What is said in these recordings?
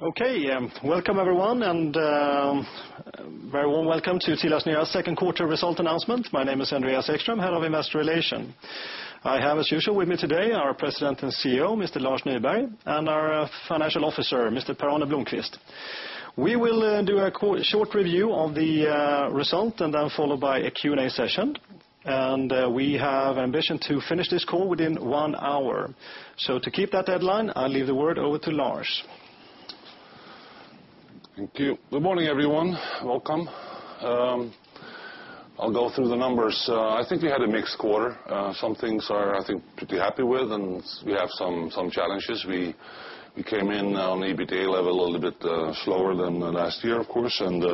Okay. Welcome everyone, and a very warm welcome to TeliaSonera second quarter result announcement. My name is Andreas Ekström, Head of Investor Relations. I have, as usual with me today, our President and CEO, Mr. Lars Nyberg, and our Chief Financial Officer, Mr. Per-Arne Blomquist. We will do a short review of the result and then followed by a Q&A session. We have ambition to finish this call within one hour. To keep that deadline, I leave the word over to Lars. Thank you. Good morning, everyone. Welcome. I'll go through the numbers. I think we had a mixed quarter. Some things are, I think, pretty happy with, and we have some challenges. We came in on EBITDA level a little bit slower than last year, of course, and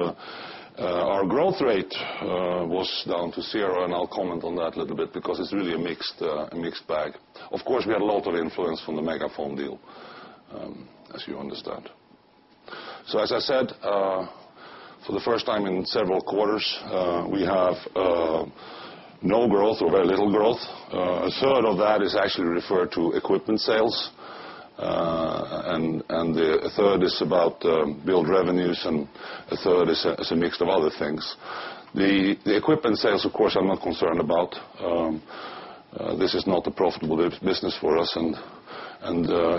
our growth rate was down to zero. I'll comment on that a little bit because it's really a mixed bag. Of course, we had a lot of influence from the MegaFon deal, as you understand. As I said, for the first time in several quarters, we have no growth or very little growth. A third of that is actually referred to equipment sales, and a third is about build revenues, and a third is a mix of other things. The equipment sales, of course, I'm not concerned about. This is not a profitable business for us, and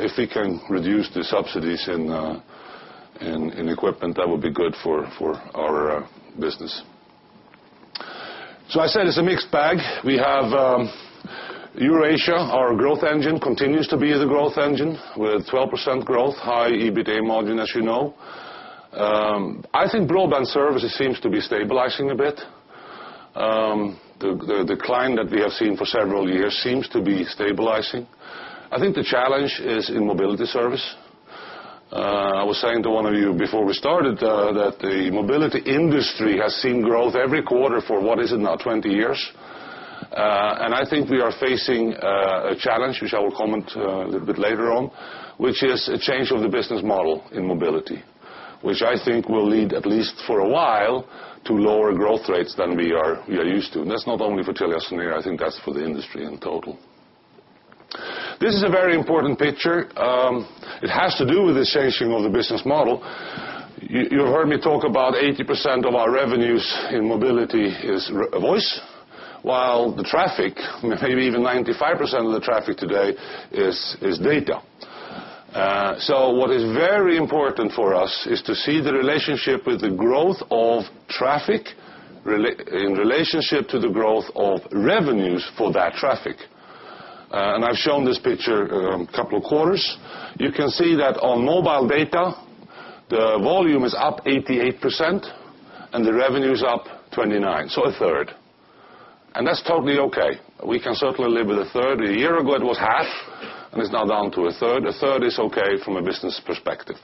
if we can reduce the subsidies in equipment, that would be good for our business. As I said, it's a mixed bag. We have Eurasia, our growth engine continues to be the growth engine with 12% growth, high EBITDA margin, as you know. I think broadband services seems to be stabilizing a bit. The decline that we have seen for several years seems to be stabilizing. I think the challenge is in mobility service. I was saying to one of you before we started, that the mobility industry has seen growth every quarter for what is it now? 20 years. I think we are facing a challenge, which I will comment a little bit later on, which is a change of the business model in mobility. Which I think will lead, at least for a while, to lower growth rates than we are used to. That's not only for TeliaSonera, I think that's for the industry in total. This is a very important picture. It has to do with the changing of the business model. You heard me talk about 80% of our revenues in mobility is voice, while the traffic, maybe even 95% of the traffic today is data. What is very important for us is to see the relationship with the growth of traffic in relationship to the growth of revenues for that traffic. I've shown this picture a couple of quarters. You can see that on mobile data, the volume is up 88% and the revenue is up 29%, so a third. That's totally okay. We can certainly live with a third. A year ago, it was half, it's now down to a third. A third is okay from a business perspective.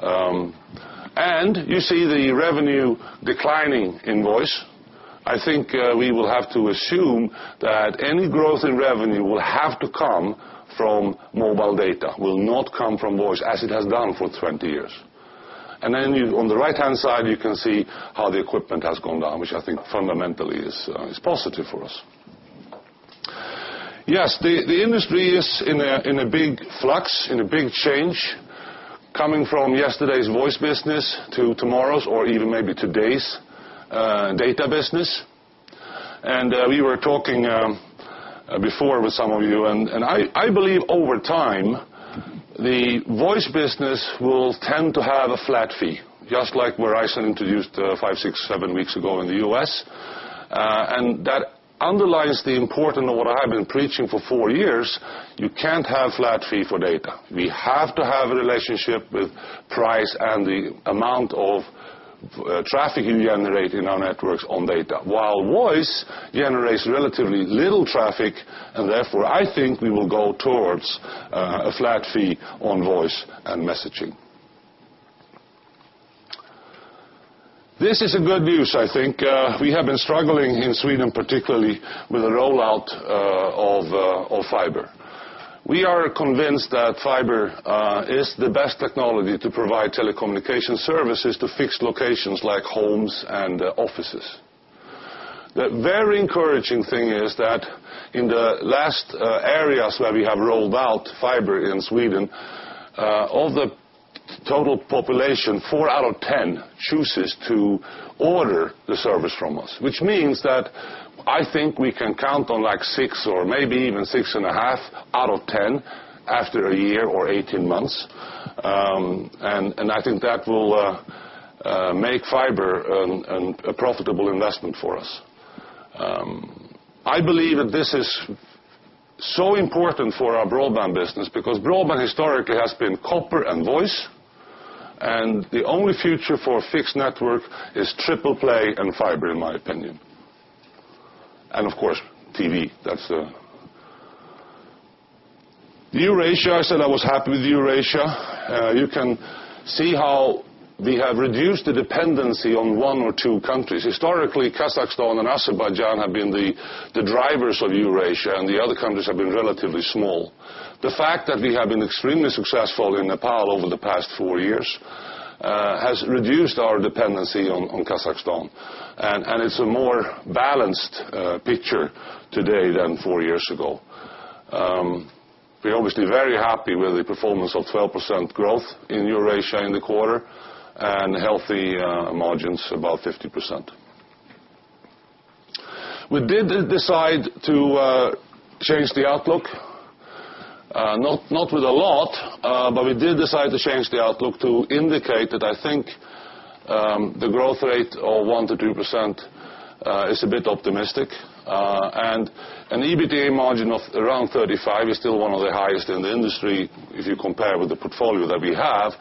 You see the revenue declining in voice. I think we will have to assume that any growth in revenue will have to come from mobile data, will not come from voice as it has done for 20 years. On the right-hand side, you can see how the equipment has gone down, which I think fundamentally is positive for us. Yes, the industry is in a big flux, in a big change, coming from yesterday's voice business to tomorrow's or even maybe today's data business. We were talking before with some of you, I believe over time, the voice business will tend to have a flat fee, just like where I introduced five, six, seven weeks ago in the U.S. That underlines the importance of what I have been preaching for four years. You can't have flat fee for data. We have to have a relationship with price and the amount of traffic you generate in our networks on data, while voice generates relatively little traffic, therefore, I think we will go towards a flat fee on voice and messaging. This is a good news, I think. We have been struggling in Sweden, particularly with the rollout of fiber. We are convinced that fiber is the best technology to provide telecommunication services to fixed locations like homes and offices. The very encouraging thing is that in the last areas where we have rolled out fiber in Sweden, of the total population, four out of 10 chooses to order the service from us, which means that I think we can count on six or maybe even six and a half out of 10 after a year or 18 months. I think that will make fiber a profitable investment for us. I believe that this is so important for our broadband business because broadband historically has been copper and voice, and the only future for a fixed network is triple play and fiber, in my opinion. Of course, TV. Eurasia, I said I was happy with Eurasia. You can see how we have reduced the dependency on one or two countries. Historically, Kazakhstan and Azerbaijan have been the drivers of Eurasia, and the other countries have been relatively small. The fact that we have been extremely successful in Nepal over the past four years has reduced our dependency on Kazakhstan. It's a more balanced picture today than four years ago. We're obviously very happy with the performance of 12% growth in Eurasia in the quarter, and healthy margins, about 50%. We did decide to change the outlook, not with a lot, but we did decide to change the outlook to indicate that I think the growth rate of one% to two% is a bit optimistic. An EBITDA margin of around 35 is still one of the highest in the industry if you compare with the portfolio that we have.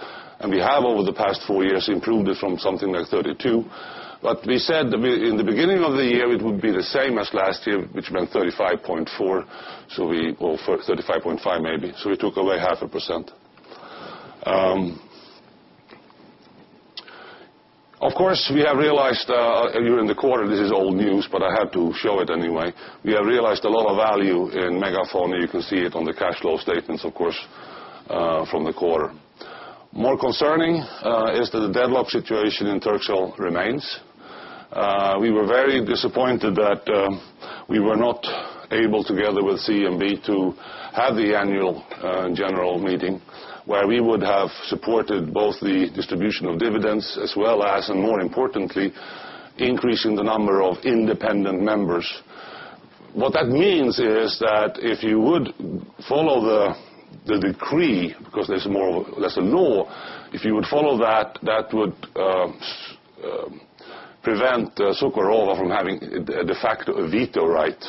We have, over the past four years, improved it from something like 32. We said in the beginning of the year, it would be the same as last year, which meant 35.4 or 35.5 maybe. We took away half a percent. Of course, we have realized during the quarter, this is old news, but I had to show it anyway. We have realized a lot of value in MegaFon, and you can see it on the cash flow statements, of course, from the quarter. More concerning is that the deadlock situation in Turkcell remains. We were very disappointed that we were not able, together with CMB, to have the annual general meeting where we would have supported both the distribution of dividends as well as, and more importantly, increasing the number of independent members. What that means is that if you would follow the decree, because that's a law. If you would follow that would prevent Çukurova from having de facto veto right.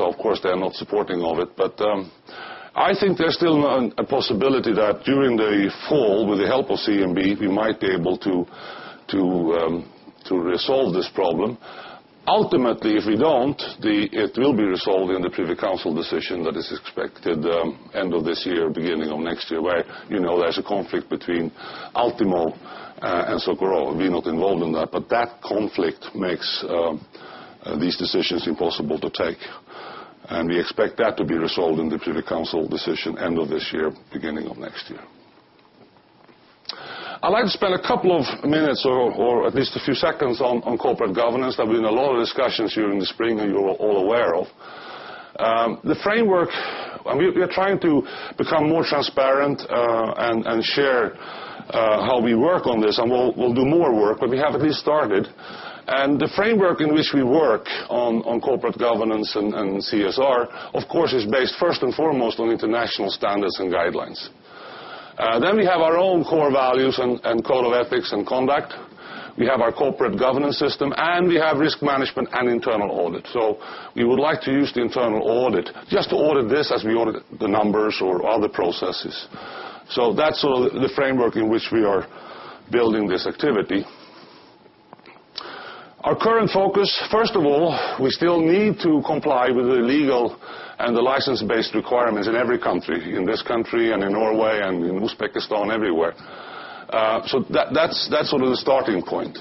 Of course, they're not supporting all of it. I think there's still a possibility that during the fall, with the help of CMB, we might be able to resolve this problem. Ultimately, if we don't, it will be resolved in the Privy Council decision that is expected end of this year, beginning of next year, where there's a conflict between Altimo and Çukurova. We're not involved in that, but that conflict makes these decisions impossible to take, and we expect that to be resolved in the Privy Council decision end of this year, beginning of next year. I'd like to spend a couple of minutes or at least a few seconds on corporate governance. There have been a lot of discussions during the spring that you are all aware of. The framework, we are trying to become more transparent and share how we work on this and we'll do more work, but we have at least started. The framework in which we work on corporate governance and CSR, of course, is based first and foremost on international standards and guidelines. Then we have our own core values and code of ethics and conduct. We have our corporate governance system, and we have risk management and internal audit. We would like to use the internal audit just to audit this as we audit the numbers or other processes. That's the framework in which we are building this activity. Our current focus, first of all, we still need to comply with the legal and the license-based requirements in every country, in this country and in Norway and in Uzbekistan, everywhere. That's the starting point.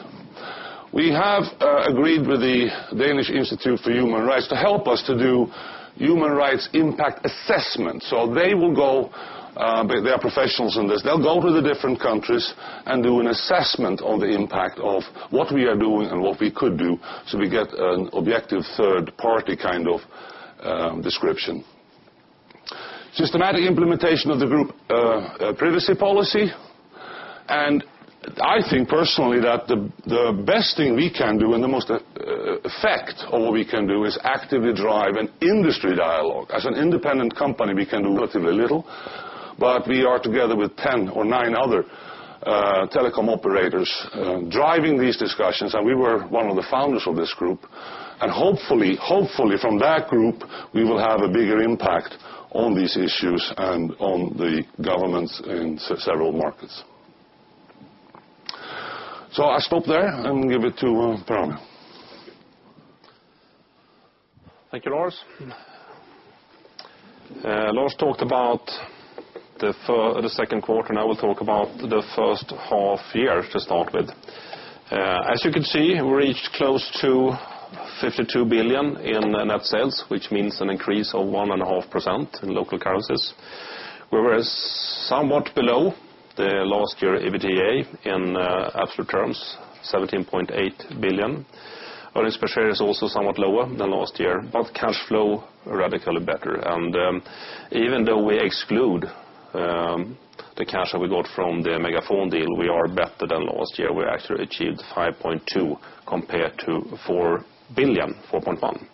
We have agreed with the Danish Institute for Human Rights to help us to do human rights impact assessments. They will go, they are professionals in this. They'll go to the different countries and do an assessment on the impact of what we are doing and what we could do so we get an objective third-party kind of description. Systematic implementation of the group privacy policy. I think personally that the best thing we can do and the most effect of what we can do is actively drive an industry dialogue. As an independent company, we can do relatively little, but we are together with 10 or 9 other telecom operators driving these discussions, and we were one of the founders of this group. Hopefully from that group, we will have a bigger impact on these issues and on the governments in several markets. I stop there and give it to Per. Thank you, Lars. Lars talked about the second quarter. I will talk about the first half year to start with. As you can see, we reached close to 52 billion in net sales, which means an increase of 1.5% in local currencies. We were somewhat below the last year EBITDA in absolute terms, 17.8 billion. Earnings per share is also somewhat lower than last year, cash flow radically better. Even though we exclude the cash that we got from the MegaFon deal, we are better than last year. We actually achieved 5.2 billion compared to 4.1 billion.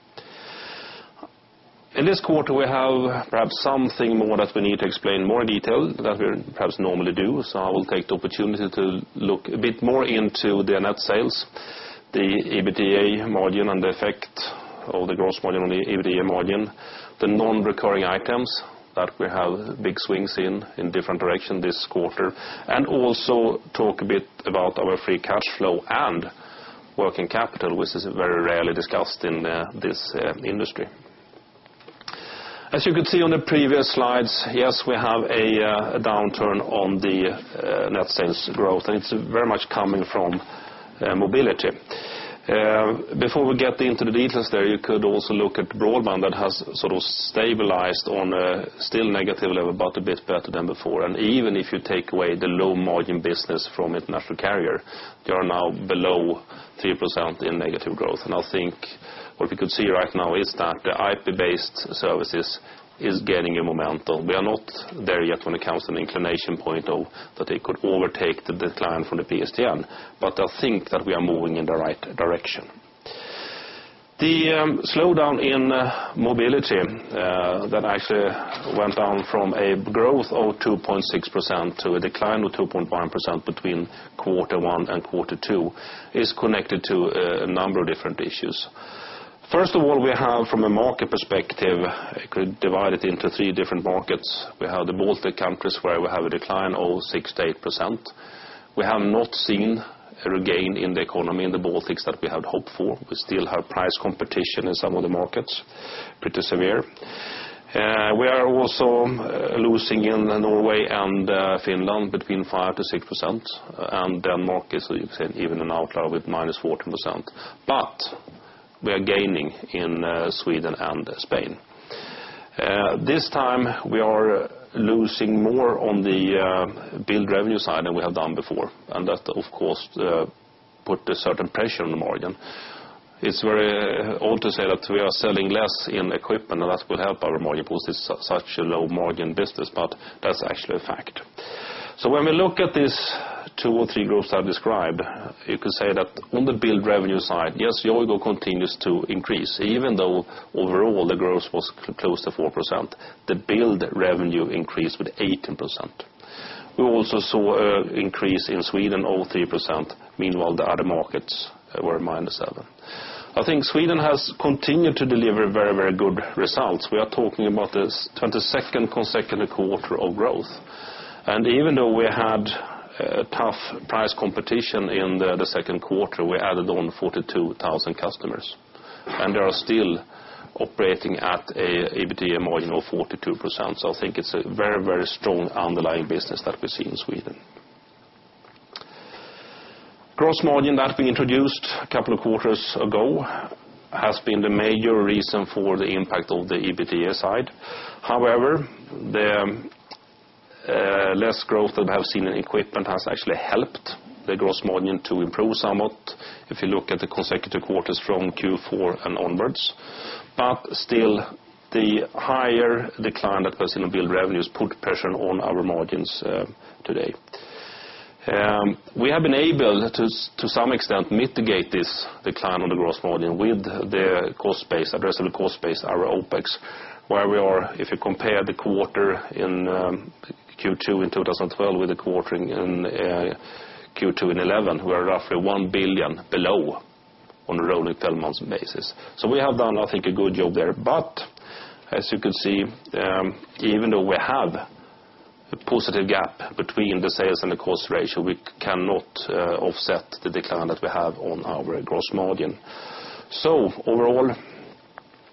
In this quarter, we have perhaps something more that we need to explain in more detail than we perhaps normally do. I will take the opportunity to look a bit more into the net sales, the EBITDA margin, and the effect of the gross margin on the EBITDA margin, the non-recurring items that we have big swings in different direction this quarter, and also talk a bit about our free cash flow and working capital, which is very rarely discussed in this industry. As you could see on the previous slides, yes, we have a downturn on the net sales growth, it's very much coming from mobility. Before we get into the details there, you could also look at broadband that has stabilized on a still negative level, a bit better than before. Even if you take away the low-margin business from international carrier, they are now below 3% in negative growth. I think what we could see right now is that the IP-based services is gaining a momentum. We are not there yet when it comes to the inclination point though, that it could overtake the decline from the PSTN, I think that we are moving in the right direction. The slowdown in mobility that actually went down from a growth of 2.6% to a decline of 2.1% between quarter one and quarter two is connected to a number of different issues. First of all, we have, from a market perspective, could divide it into three different markets. We have the Baltic countries, where we have a decline of 68%. We have not seen a regain in the economy in the Baltics that we had hoped for. We still have price competition in some of the markets, pretty severe. We are also losing in Norway and Finland between 5% to 6%, Denmark is even an outlier with minus 14%. We are gaining in Sweden and Spain. This time, we are losing more on the billed revenue side than we have done before, that, of course, put a certain pressure on the margin. It's very odd to say that we are selling less in equipment, that will help our margin, because it's such a low-margin business, that's actually a fact. When we look at these two or three groups I described, you could say that on the billed revenue side, yes, the OIBDA continues to increase. Even though overall the growth was close to 4%, the billed revenue increased with 18%. We also saw an increase in Sweden of 3%, meanwhile the other markets were minus 7%. I think Sweden has continued to deliver very good results. We are talking about the 22nd consecutive quarter of growth. Even though we had tough price competition in the second quarter, we added on 42,000 customers. They are still operating at an EBITDA margin of 42%, so I think it's a very strong underlying business that we see in Sweden. Gross margin that we introduced a couple of quarters ago has been the major reason for the impact of the EBITDA side. However, the less growth that we have seen in equipment has actually helped the gross margin to improve somewhat if you look at the consecutive quarters from Q4 and onwards. Still, the higher decline that was in billed revenues put pressure on our margins today. We have been able to some extent mitigate this decline on the gross margin with the cost base, addressable cost base, our OPEX. If you compare the quarter in Q2 in 2012 with the quarter in Q2 in 2011, we are roughly 1 billion below on a rolling 12 months basis. We have done, I think, a good job there. As you can see, even though we have a positive gap between the sales and the cost ratio, we cannot offset the decline that we have on our gross margin. Overall,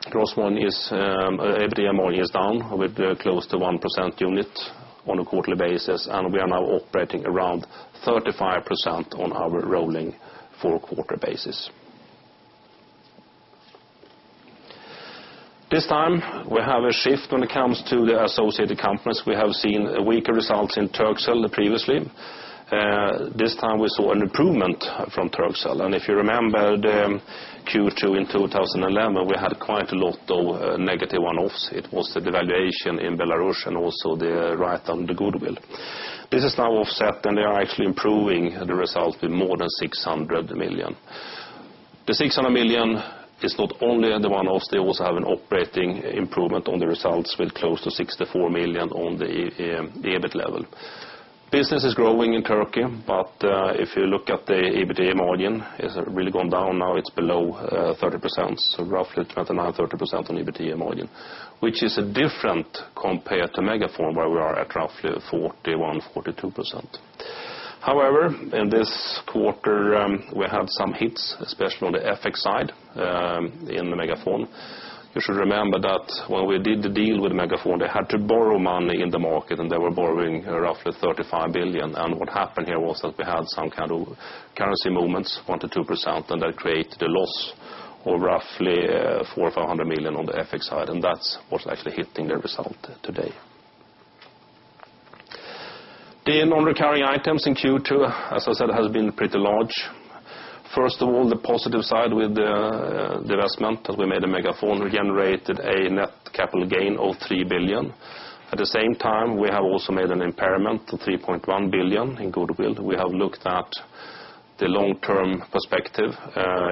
EBITDA margin is down with close to 1% unit on a quarterly basis, and we are now operating around 35% on our rolling four-quarter basis. This time, we have a shift when it comes to the associated companies. We have seen weaker results in Turkcell previously. This time we saw an improvement from Turkcell. If you remember the Q2 in 2011, we had quite a lot of negative one-offs. It was the devaluation in Belarus and also the write-down the goodwill. This is now offset. They are actually improving the result with more than 600 million. The 600 million is not only the one-offs, they also have an operating improvement on the results with close to 64 million on the EBIT level. Business is growing in Turkey, but if you look at the EBITDA margin, it's really gone down now. It's below 30%, so roughly 29%-30% on EBITDA margin, which is different compared to MegaFon, where we are at roughly 41%-42%. In this quarter, we had some hits, especially on the FX side in MegaFon. You should remember that when we did the deal with MegaFon, they had to borrow money in the market, and they were borrowing roughly 35 billion. What happened here was that we had some kind of currency movements, 1%-2%, and that created a loss of roughly 400 million or 500 million on the FX side, and that's what's actually hitting the result today. The non-recurring items in Q2, as I said, has been pretty large. First of all, the positive side with the divestment that we made in MegaFon generated a net capital gain of 3 billion. At the same time, we have also made an impairment of 3.1 billion in goodwill. We have looked at the long-term perspective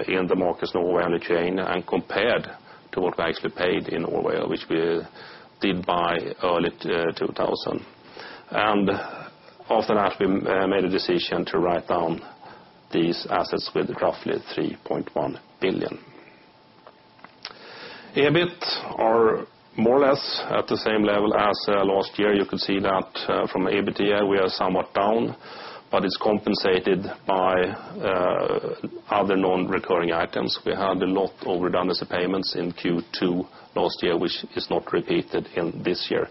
in the markets Norway and Ukraine and compared to what we actually paid in Norway, which we did buy early 2000. After that, we made a decision to write down these assets with roughly 3.1 billion. EBIT are more or less at the same level as last year. You could see that from EBITDA, we are somewhat down, but it's compensated by other non-recurring items. We had a lot of redundancy payments in Q2 last year, which is not repeated in this year.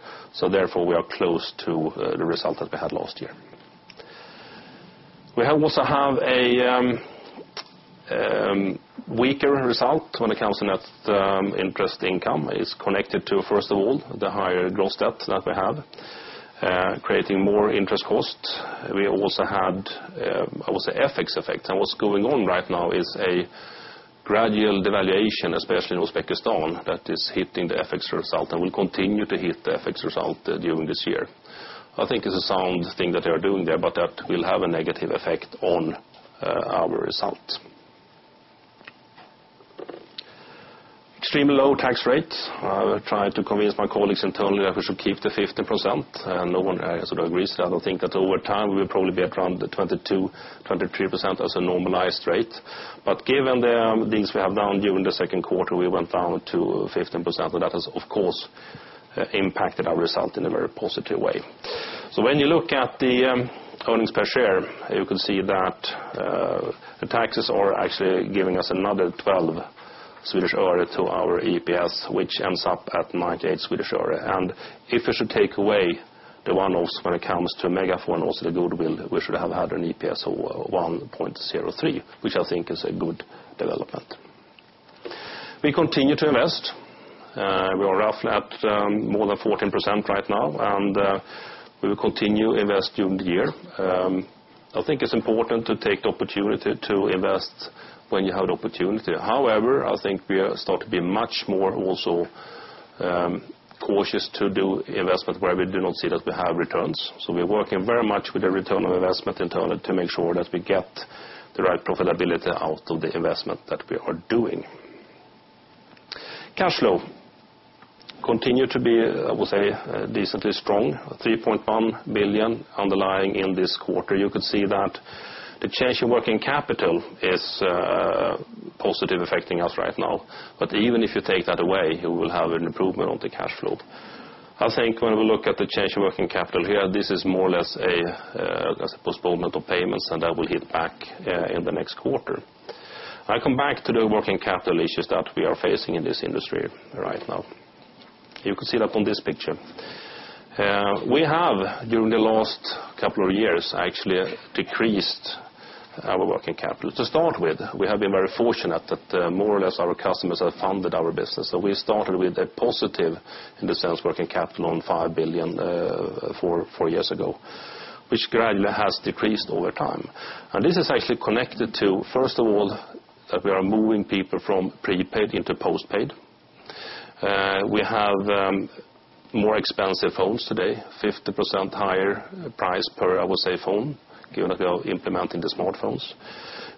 Therefore, we are close to the result that we had last year. We also have a weaker result when it comes to net interest income. It's connected to, first of all, the higher gross debt that we have, creating more interest costs. We also had, I would say, FX effect. What's going on right now is a gradual devaluation, especially in Uzbekistan, that is hitting the FX result and will continue to hit the FX result during this year. I think it's a sound thing that they are doing there. That will have a negative effect on our result. Extremely low tax rates. I will try to convince my colleagues internally that we should keep the 15%. No one agrees. I don't think that over time we'll probably be at around the 22%-23% as a normalized rate. Given the things we have done during the second quarter, we went down to 15%. That has, of course, impacted our result in a very positive way. When you look at the earnings per share, you could see that the taxes are actually giving us another SEK 0.12 to our EPS, which ends up at SEK 0.98. If we should take away the one also when it comes to MegaFon, also the goodwill, we should have had an EPS of 1.03, which I think is a good development. We continue to invest. We are roughly at more than 14% right now. We will continue invest during the year. I think it's important to take the opportunity to invest when you have the opportunity. However, I think we are start to be much more also cautious to do investment where we do not see that we have returns. We're working very much with the return of investment internally to make sure that we get the right profitability out of the investment that we are doing. Cash flow continue to be, I would say, decently strong, 3.1 billion underlying in this quarter. You could see that the change in working capital is positive affecting us right now. Even if you take that away, you will have an improvement on the cash flow. I think when we look at the change in working capital here, this is more or less a postponement of payments. That will hit back in the next quarter. I come back to the working capital issues that we are facing in this industry right now. You could see that on this picture. We have, during the last couple of years, actually decreased our working capital. To start with, we have been very fortunate that more or less our customers have funded our business. We started with a positive in the sense working capital on 5 billion four years ago, which gradually has decreased over time. This is actually connected to, first of all, that we are moving people from prepaid into postpaid. We have more expensive phones today, 50% higher price per, I would say, phone, given that we are implementing the smartphones.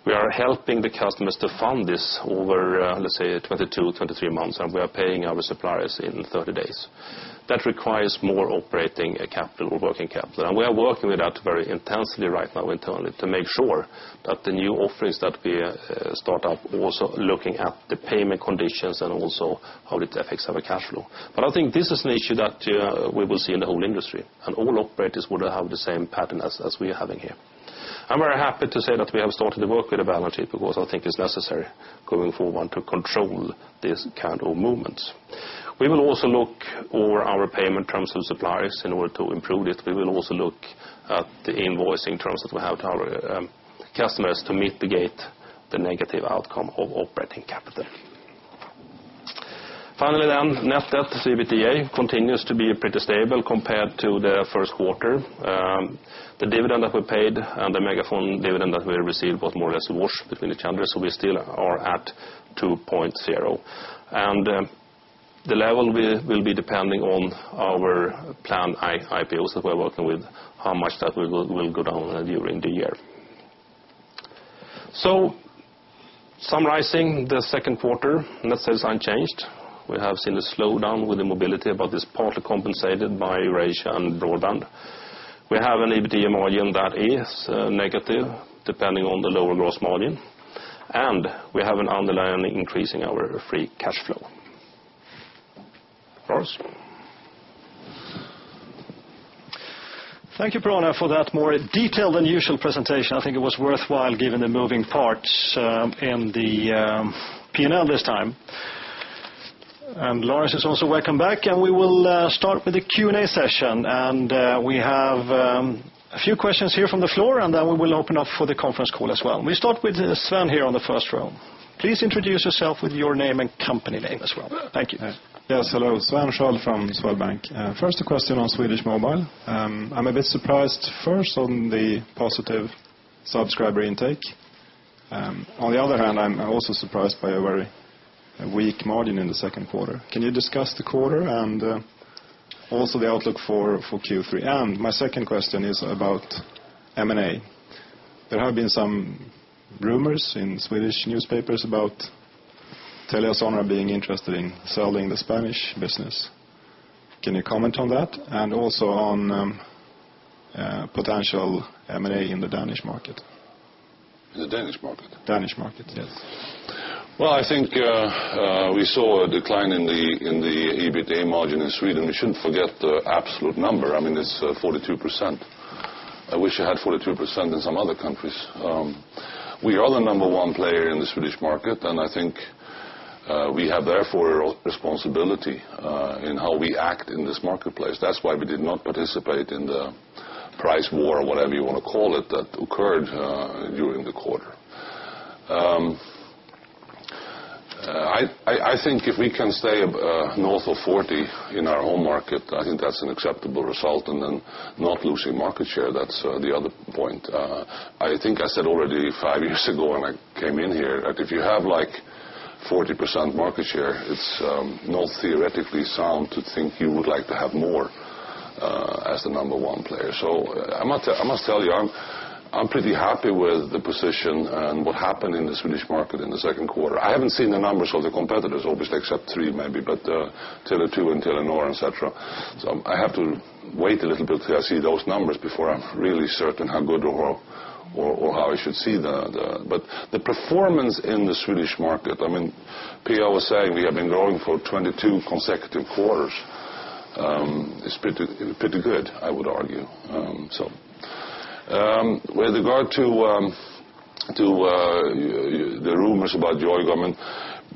We are helping the customers to fund this over, let's say, 22, 23 months, and we are paying our suppliers in 30 days. That requires more operating capital, working capital. We are working with that very intensely right now internally to make sure that the new offerings that we start up also looking at the payment conditions and also how it affects our cash flow. I think this is an issue that we will see in the whole industry, and all operators would have the same pattern as we are having here. I'm very happy to say that we have started to work with the balance sheet because I think it's necessary going forward to control this kind of movements. We will also look over our payment terms of suppliers in order to improve it. We will also look at the invoicing terms that we have to our customers to mitigate the negative outcome of operating capital. Finally, net debt to EBITDA continues to be pretty stable compared to the first quarter. The dividend that we paid and the MegaFon dividend that we received was more or less washed between each other, so we still are at 2.0. The level will be depending on our planned IPOs that we're working with, how much that will go down during the year. Summarizing the second quarter, net sales unchanged. We have seen a slowdown with the mobility, it's partly compensated by Eurasia and broadband. We have an EBITDA margin that is negative depending on the lower gross margin, we have an underlying increase in our free cash flow. Lars? Thank you, Per-Arne, for that more detailed than usual presentation. I think it was worthwhile given the moving parts in the P&L this time. Lars is also welcome back, we will start with the Q&A session. We have a few questions here from the floor, and then we will open up for the conference call as well. We start with Sven here on the first row. Please introduce yourself with your name and company name as well. Thank you. Yes. Hello. Sven Sköld from Swedbank. First, a question on Swedish Mobile. I'm a bit surprised first on the positive subscriber intake. On the other hand, I'm also surprised by a very weak margin in the second quarter. Can you discuss the quarter and also the outlook for Q3? My second question is about M&A. There have been some rumors in Swedish newspapers about TeliaSonera being interested in selling the Spanish business. Can you comment on that and also on potential M&A in the Danish market? In the Danish market? Danish market, yes. I think we saw a decline in the EBITDA margin in Sweden. We shouldn't forget the absolute number. I mean, it's 42%. I wish I had 42% in some other countries. We are the number one player in the Swedish market, and I think we have, therefore, a responsibility in how we act in this marketplace. That's why we did not participate in the price war, or whatever you want to call it, that occurred during the quarter. I think if we can stay north of 40 in our home market, I think that's an acceptable result. Not losing market share, that's the other point. I think I said already five years ago when I came in here that if you have 40% market share, it's not theoretically sound to think you would like to have more as the number one player. I must tell you, I'm pretty happy with the position and what happened in the Swedish market in the second quarter. I haven't seen the numbers of the competitors, obviously, except Three maybe, but Tele2 and Telenor, et cetera. I have to wait a little bit till I see those numbers before I'm really certain how good or how I should see the But the performance in the Swedish market, Per-Arne was saying we have been growing for 22 consecutive quarters. It's pretty good, I would argue. With regard to the rumors about Yoigo,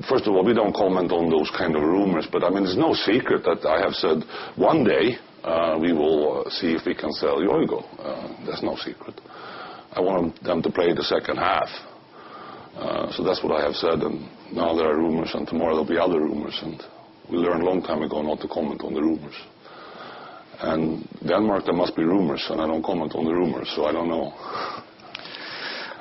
first of all, we don't comment on those kind of rumors, but it's no secret that I have said one day we will see if we can sell Yoigo. That's no secret. I want them to play the second half. That's what I have said, and now there are rumors, and tomorrow there'll be other rumors, and we learned a long time ago not to comment on the rumors. Denmark, there must be rumors, and I don't comment on the rumors, so I don't know.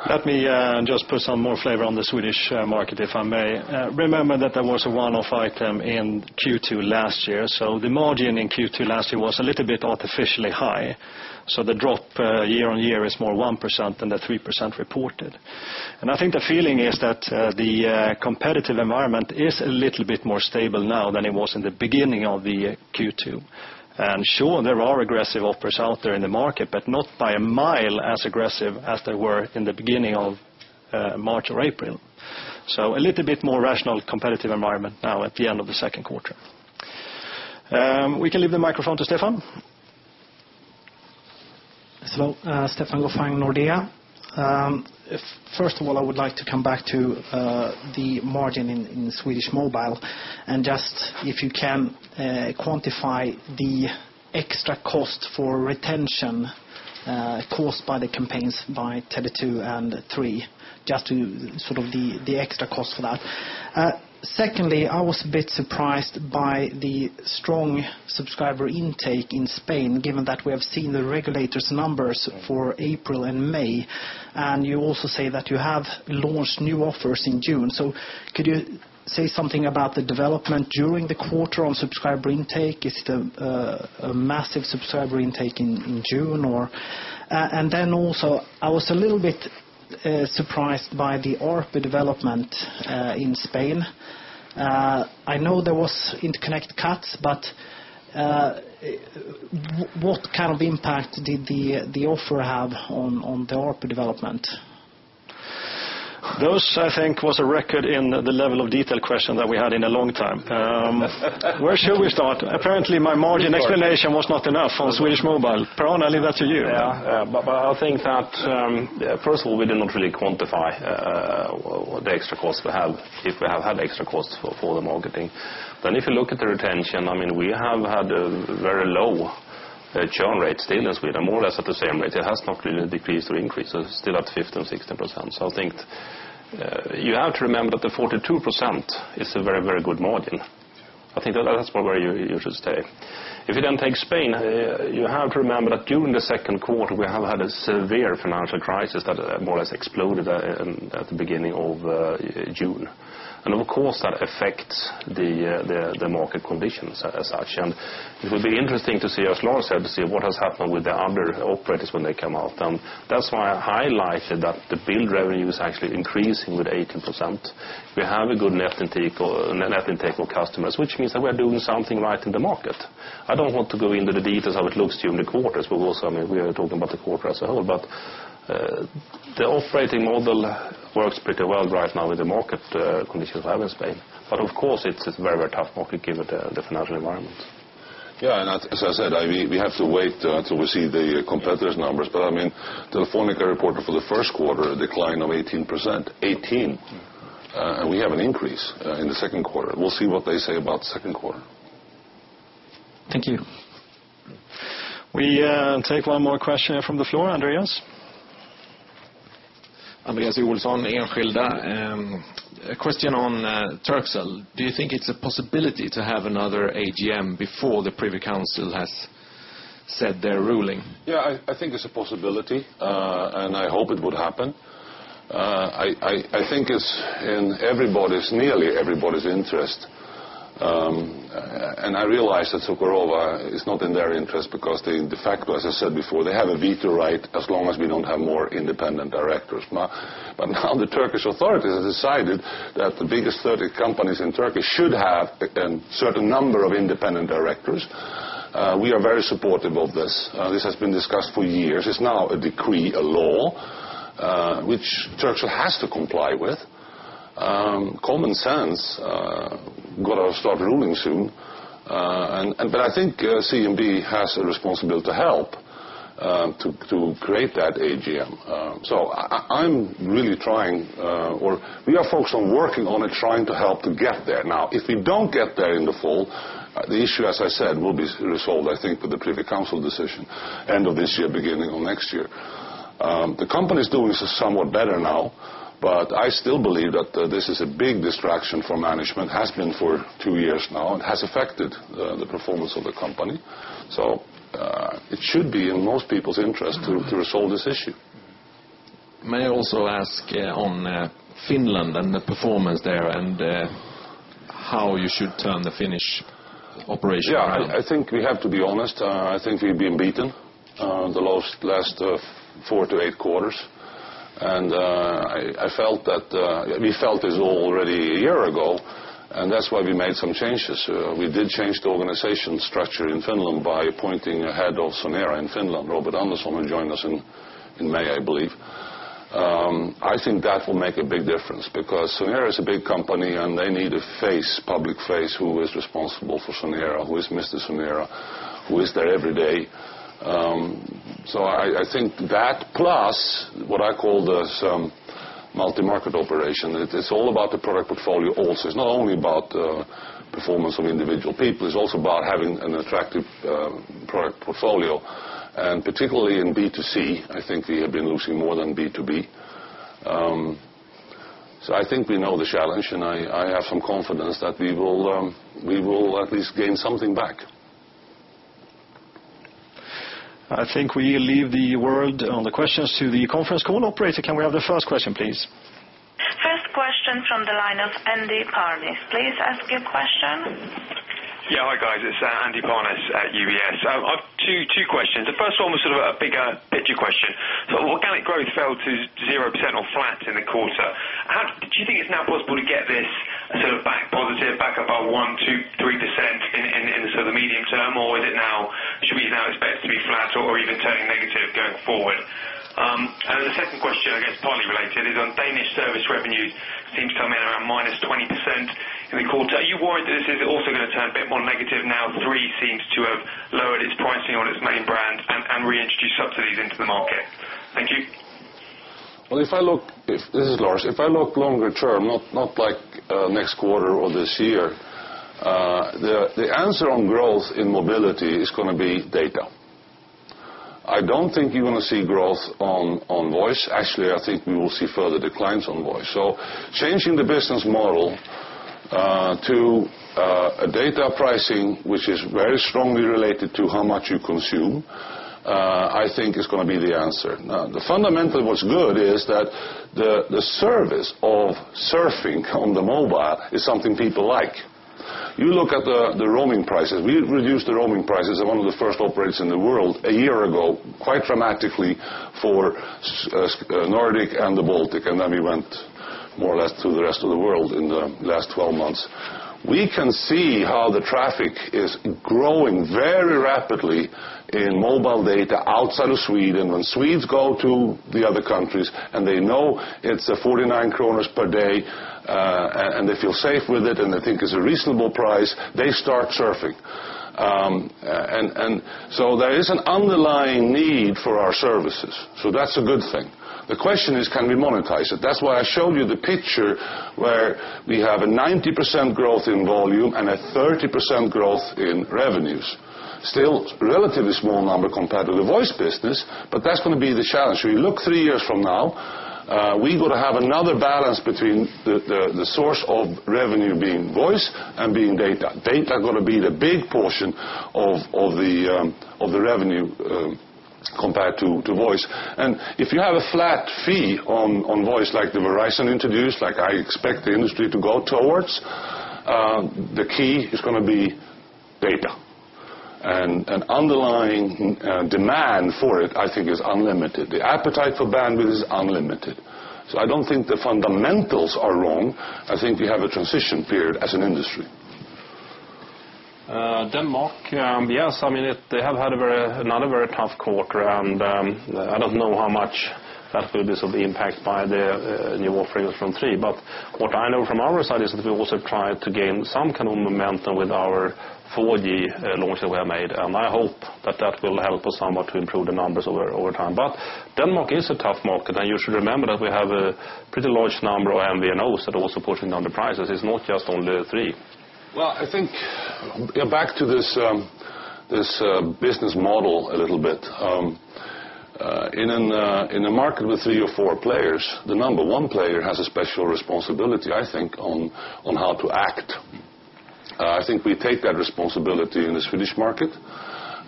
Let me just put some more flavor on the Swedish market, if I may. Remember that there was a one-off item in Q2 last year, the margin in Q2 last year was a little bit artificially high. The drop year-on-year is more 1% than the 3% reported. I think the feeling is that the competitive environment is a little bit more stable now than it was in the beginning of the Q2. Sure, there are aggressive offers out there in the market, but not by a mile as aggressive as they were in the beginning of March or April. A little bit more rational, competitive environment now at the end of the second quarter. We can leave the microphone to Stefan. Stefan Gauffin, Nordea. First of all, I would like to come back to the margin in Swedish mobile and just if you can quantify the extra cost for retention caused by the campaigns by Tele2 and Three, just to sort of the extra cost for that. Secondly, I was a bit surprised by the strong subscriber intake in Spain, given that we have seen the regulators' numbers for April and May. You also say that you have launched new offers in June. Could you say something about the development during the quarter on subscriber intake? Is it a massive subscriber intake in June? I was a little bit surprised by the ARPU development in Spain. I know there was interconnect cuts, but what kind of impact did the offer have on the ARPU development? Those, I think, was a record in the level of detail question that we had in a long time. Where should we start? Apparently, my margin explanation was not enough on Swedish mobile. Per-Arne, I leave that to you. Yeah. I think that, first of all, we did not really quantify the extra costs we have, if we have had extra costs for the marketing. If you look at the retention, we have had a very low churn rate still in Sweden, more or less at the same rate. It has not really decreased or increased. Still at 15%-16%. I think you have to remember that the 42% is a very good margin. I think that's where you should stay. If you then take Spain, you have to remember that during the second quarter, we have had a severe financial crisis that more or less exploded at the beginning of June. Of course, that affects the market conditions as such. It will be interesting to see, as Lars said, to see what has happened with the other operators when they come out. That's why I highlighted that the bill revenue is actually increasing with 18%. We have a good net intake for customers, which means that we're doing something right in the market. I don't want to go into the details how it looks during the quarters, we are talking about the quarter as a whole, the operating model works pretty well right now with the market conditions we have in Spain. Of course, it's a very tough market given the financial environment. Yeah, as I said, we have to wait until we see the competitors' numbers. Telefónica reported for the first quarter a decline of 18%. 18. We have an increase in the second quarter. We'll see what they say about the second quarter. Thank you. We take one more question from the floor. Andreas. Andreas Joelsson, Enskilda. A question on Turkcell. Do you think it's a possibility to have another AGM before the Privy Council has said their ruling? Yeah, I think it's a possibility, I hope it would happen. I think it's in everybody's, nearly everybody's interest. I realize that Çukurova is not in their interest because de facto, as I said before, they have a veto right as long as we don't have more independent directors. Now the Turkish authorities have decided that the biggest 30 companies in Turkey should have a certain number of independent directors. We are very supportive of this. This has been discussed for years. It's now a decree, a law, which Turkcell has to comply with. Common sense Going to start ruling soon. I think CMB has a responsibility to help to create that AGM. I'm really trying or we are focused on working on it, trying to help to get there. If we don't get there in the fall, the issue, as I said, will be resolved, I think, with the Privy Council decision end of this year, beginning of next year. The company is doing somewhat better now, but I still believe that this is a big distraction for management, has been for two years now and has affected the performance of the company. It should be in most people's interest to resolve this issue. May I also ask on Finland and the performance there and how you should turn the Finnish operation around? I think we have to be honest. I think we've been beaten the last four to eight quarters. We felt this already a year ago, and that's why we made some changes. We did change the organization structure in Finland by appointing a head of Sonera in Finland, Robert Andersson, who joined us in May, I believe. I think that will make a big difference because Sonera is a big company and they need a public face who is responsible for Sonera, who is Mr. Sonera, who is there every day. I think that plus what I call this multi-market operation, it is all about the product portfolio also. It's not only about performance of individual people, it's also about having an attractive product portfolio. Particularly in B2C, I think we have been losing more than B2B. I think we know the challenge, and I have some confidence that we will at least gain something back. I think we leave the word on the questions to the conference call operator. Can we have the first question, please? First question from the line of Andy Parnis. Please ask your question. Yeah. Hi, guys. It's Andy Parnis at UBS. I have two questions. The first one was sort of a bigger picture question. Organic growth fell to 0% or flat in the quarter. Do you think it's now possible to get this sort of back positive, back above 1%, 2%, 3% in the medium term, or should we now expect to be flat or even turning negative going forward? The second question, I guess, partly related is on Danish service revenue seems to come in around minus 20% in the quarter. Are you worried that this is also going to turn a bit more negative now Three seems to have lowered its pricing on its main brand and reintroduced subsidies into the market? Thank you. Well, this is Lars. If I look longer term, not like next quarter or this year, the answer on growth in mobility is going to be data. I don't think you're going to see growth on voice. Actually, I think we will see further declines on voice. Changing the business model to a data pricing, which is very strongly related to how much you consume, I think is going to be the answer. Now, fundamentally what's good is that the service of surfing on the mobile is something people like. You look at the roaming prices. We reduced the roaming prices of one of the first operators in the world a year ago, quite dramatically for Nordic and the Baltic, and then we went more or less to the rest of the world in the last 12 months. We can see how the traffic is growing very rapidly in mobile data outside of Sweden. When Swedes go to the other countries and they know it's 49 kronor per day, and they feel safe with it, and they think it's a reasonable price, they start surfing. There is an underlying need for our services, that's a good thing. The question is, can we monetize it? That's why I showed you the picture where we have a 90% growth in volume and a 30% growth in revenues. Still relatively small number compared to the voice business, but that's going to be the challenge. You look three years from now, we got to have another balance between the source of revenue being voice and being data. Data are going to be the big portion of the revenue compared to voice. If you have a flat fee on voice like the Verizon introduced, like I expect the industry to go towards, the key is going to be data, and underlying demand for it, I think is unlimited. The appetite for bandwidth is unlimited. I don't think the fundamentals are wrong, I think we have a transition period as an industry. Denmark, yes, they have had another very tough quarter, I don't know how much that will be sort of impact by the new offerings from 3. What I know from our side is that we've also tried to gain some kind of momentum with our 4G launch that we have made. I hope that that will help us somewhat to improve the numbers over time. Denmark is a tough market, and you should remember that we have a pretty large number of MVNOs that are also pushing down the prices. It's not just only 3. Well, I think back to this business model a little bit. In a market with three or four players, the number one player has a special responsibility, I think, on how to act. I think we take that responsibility in the Swedish market.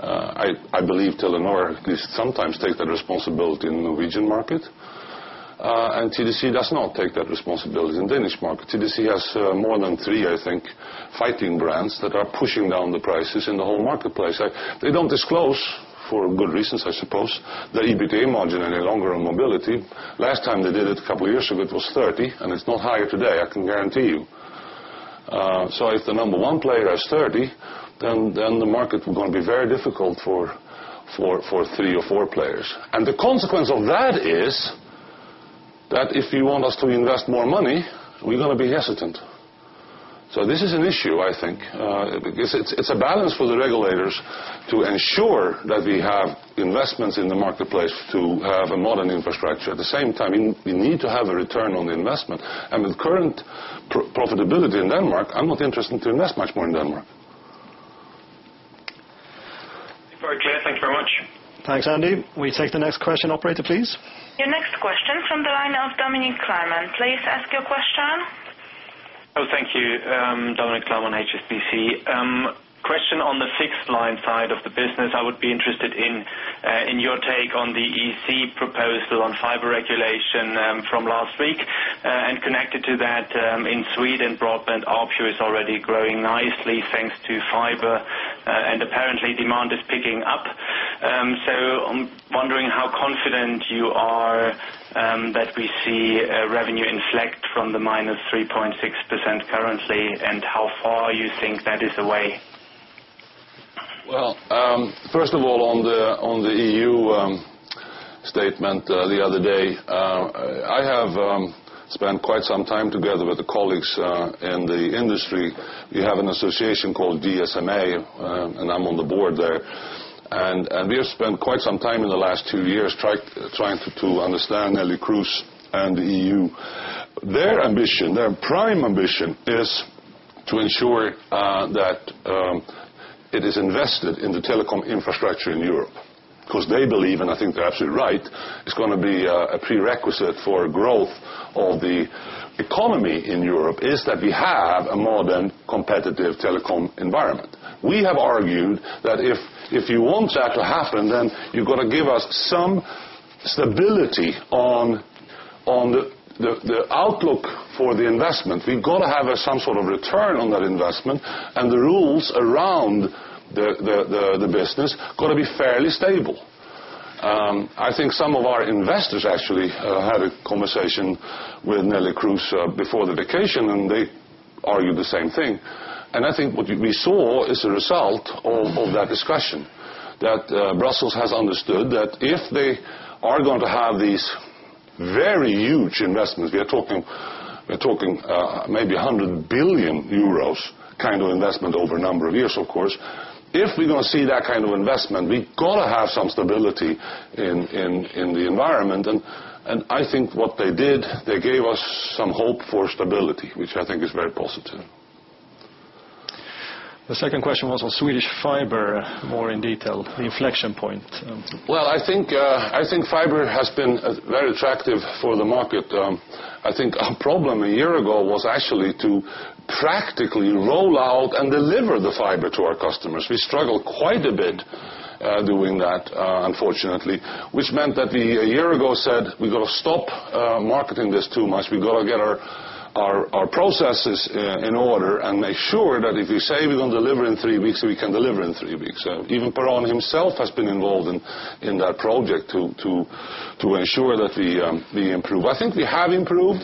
I believe Telenor at least sometimes takes that responsibility in the Norwegian market. TDC does not take that responsibility in the Danish market. TDC has more than three, I think, fighting brands that are pushing down the prices in the whole marketplace. They don't disclose for good reasons, I suppose, their EBITDA margin any longer on mobility. Last time they did it a couple of years ago, it was 30%, and it's not higher today, I can guarantee you. If the number one player has 30%, then the market going to be very difficult for three or four players. The consequence of that is that if you want us to invest more money, we're going to be hesitant. This is an issue, I think. It's a balance for the regulators to ensure that we have investments in the marketplace to have a modern infrastructure. At the same time, we need to have a return on the investment. With current profitability in Denmark, I'm not interested to invest much more in Denmark. Very clear. Thank you very much. Thanks, Andy. We take the next question, operator, please. Your next question from the line of Dominik Klarmann. Please ask your question. Thank you. Dominik Klarmann on HSBC. Question on the fixed line side of the business. I would be interested in your take on the EC proposal on fiber regulation from last week. Connected to that, in Sweden, broadband ARPU is already growing nicely thanks to fiber, and apparently demand is picking up. I'm wondering how confident you are that we see a revenue inflect from the minus 3.6% currently, and how far you think that is away. Well, first of all, on the EU statement the other day, I have spent quite some time together with the colleagues in the industry. We have an association called GSMA, I'm on the board there. We have spent quite some time in the last two years trying to understand Neelie Kroes and the EU. Their prime ambition is to ensure that it is invested in the telecom infrastructure in Europe, because they believe, and I think they're absolutely right, it's going to be a prerequisite for growth of the economy in Europe, is that we have a modern, competitive telecom environment. We have argued that if you want that to happen, then you've got to give us some stability on the outlook for the investment. We've got to have some sort of return on that investment and the rules around the business got to be fairly stable. I think some of our investors actually had a conversation with Neelie Kroes before the vacation, they argued the same thing. I think what we saw is a result of that discussion, that Brussels has understood that if they are going to have these very huge investments, we are talking maybe 100 billion euros kind of investment over a number of years, of course. If we're going to see that kind of investment, we got to have some stability in the environment. I think what they did, they gave us some hope for stability, which I think is very positive. The second question was on Swedish fiber, more in detail, the inflection point. Well, I think fiber has been very attractive for the market. I think our problem a year ago was actually to practically roll out and deliver the fiber to our customers. We struggled quite a bit doing that, unfortunately, which meant that we, a year ago, said we got to stop marketing this too much. We got to get our processes in order and make sure that if we say we are going to deliver in three weeks, we can deliver in three weeks. Even Per-Arne himself has been involved in that project to ensure that we improve. I think we have improved,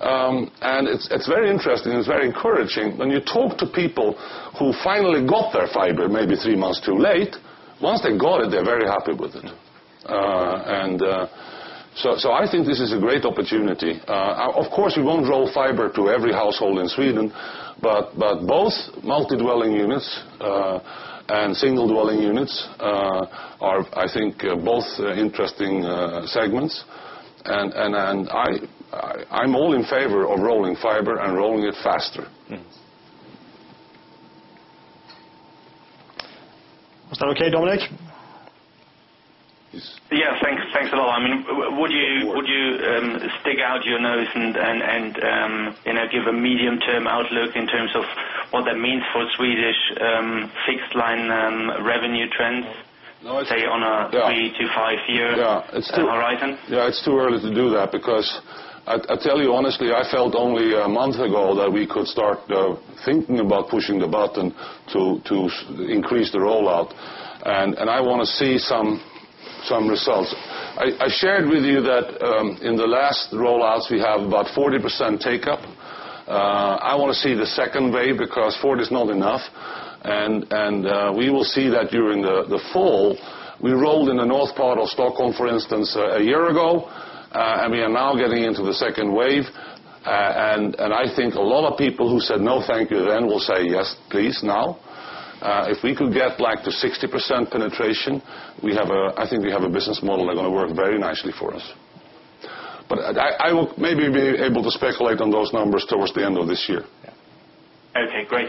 and it is very interesting, it is very encouraging when you talk to people who finally got their fiber, maybe three months too late. Once they got it, they are very happy with it. I think this is a great opportunity. Of course, we will not roll fiber to every household in Sweden, but both multi-dwelling units and single-dwelling units are, I think, both interesting segments. I am all in favor of rolling fiber and rolling it faster. Was that okay, Dominik? Yeah. Thanks a lot. Would you stick out your nose and give a medium-term outlook in terms of what that means for Swedish fixed-line revenue trends? No. say, on a 3- to 5-year. Yeah. horizon? Yeah, it's too early to do that because I tell you honestly, I felt only a month ago that we could start thinking about pushing the button to increase the rollout, and I want to see some results. I shared with you that in the last rollouts, we have about 40% take-up. I want to see the second wave because 40% is not enough, and we will see that during the fall. We rolled in the north part of Stockholm, for instance, a year ago, and we are now getting into the second wave. I think a lot of people who said, "No, thank you" then will say, "Yes, please," now. If we could get to 60% penetration, I think we have a business model that will work very nicely for us. I will maybe be able to speculate on those numbers towards the end of this year. Okay, great.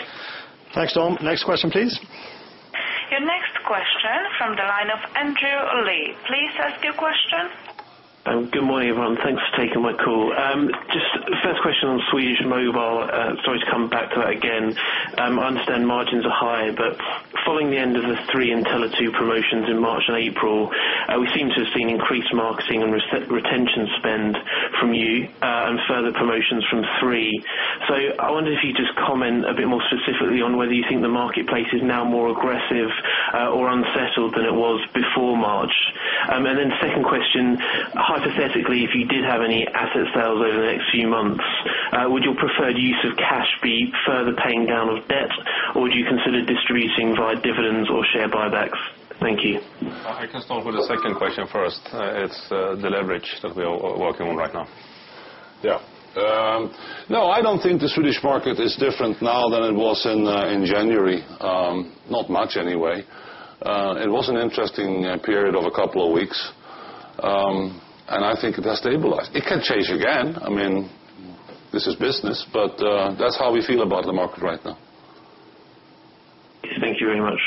Thanks, Dom. Next question, please. Your next question from the line of Andrew Lee. Please ask your question. Good morning, everyone. Thanks for taking my call. Just first question on Swedish mobile. Sorry to come back to that again. I understand margins are high, but following the end of the Three and Tele2 promotions in March and April, we seem to have seen increased marketing and retention spend from you and further promotions from Three. I wonder if you just comment a bit more specifically on whether you think the marketplace is now more aggressive or unsettled than it was before March. Second question, hypothetically, if you did have any asset sales over the next few months, would your preferred use of cash be further paying down of debt, or would you consider distributing via dividends or share buybacks? Thank you. I can start with the second question first. It's the leverage that we are working on right now. Yeah. No, I don't think the Swedish market is different now than it was in January. Not much anyway. It was an interesting period of a couple of weeks. I think it has stabilized. It can change again. This is business. That's how we feel about the market right now. Thank you very much.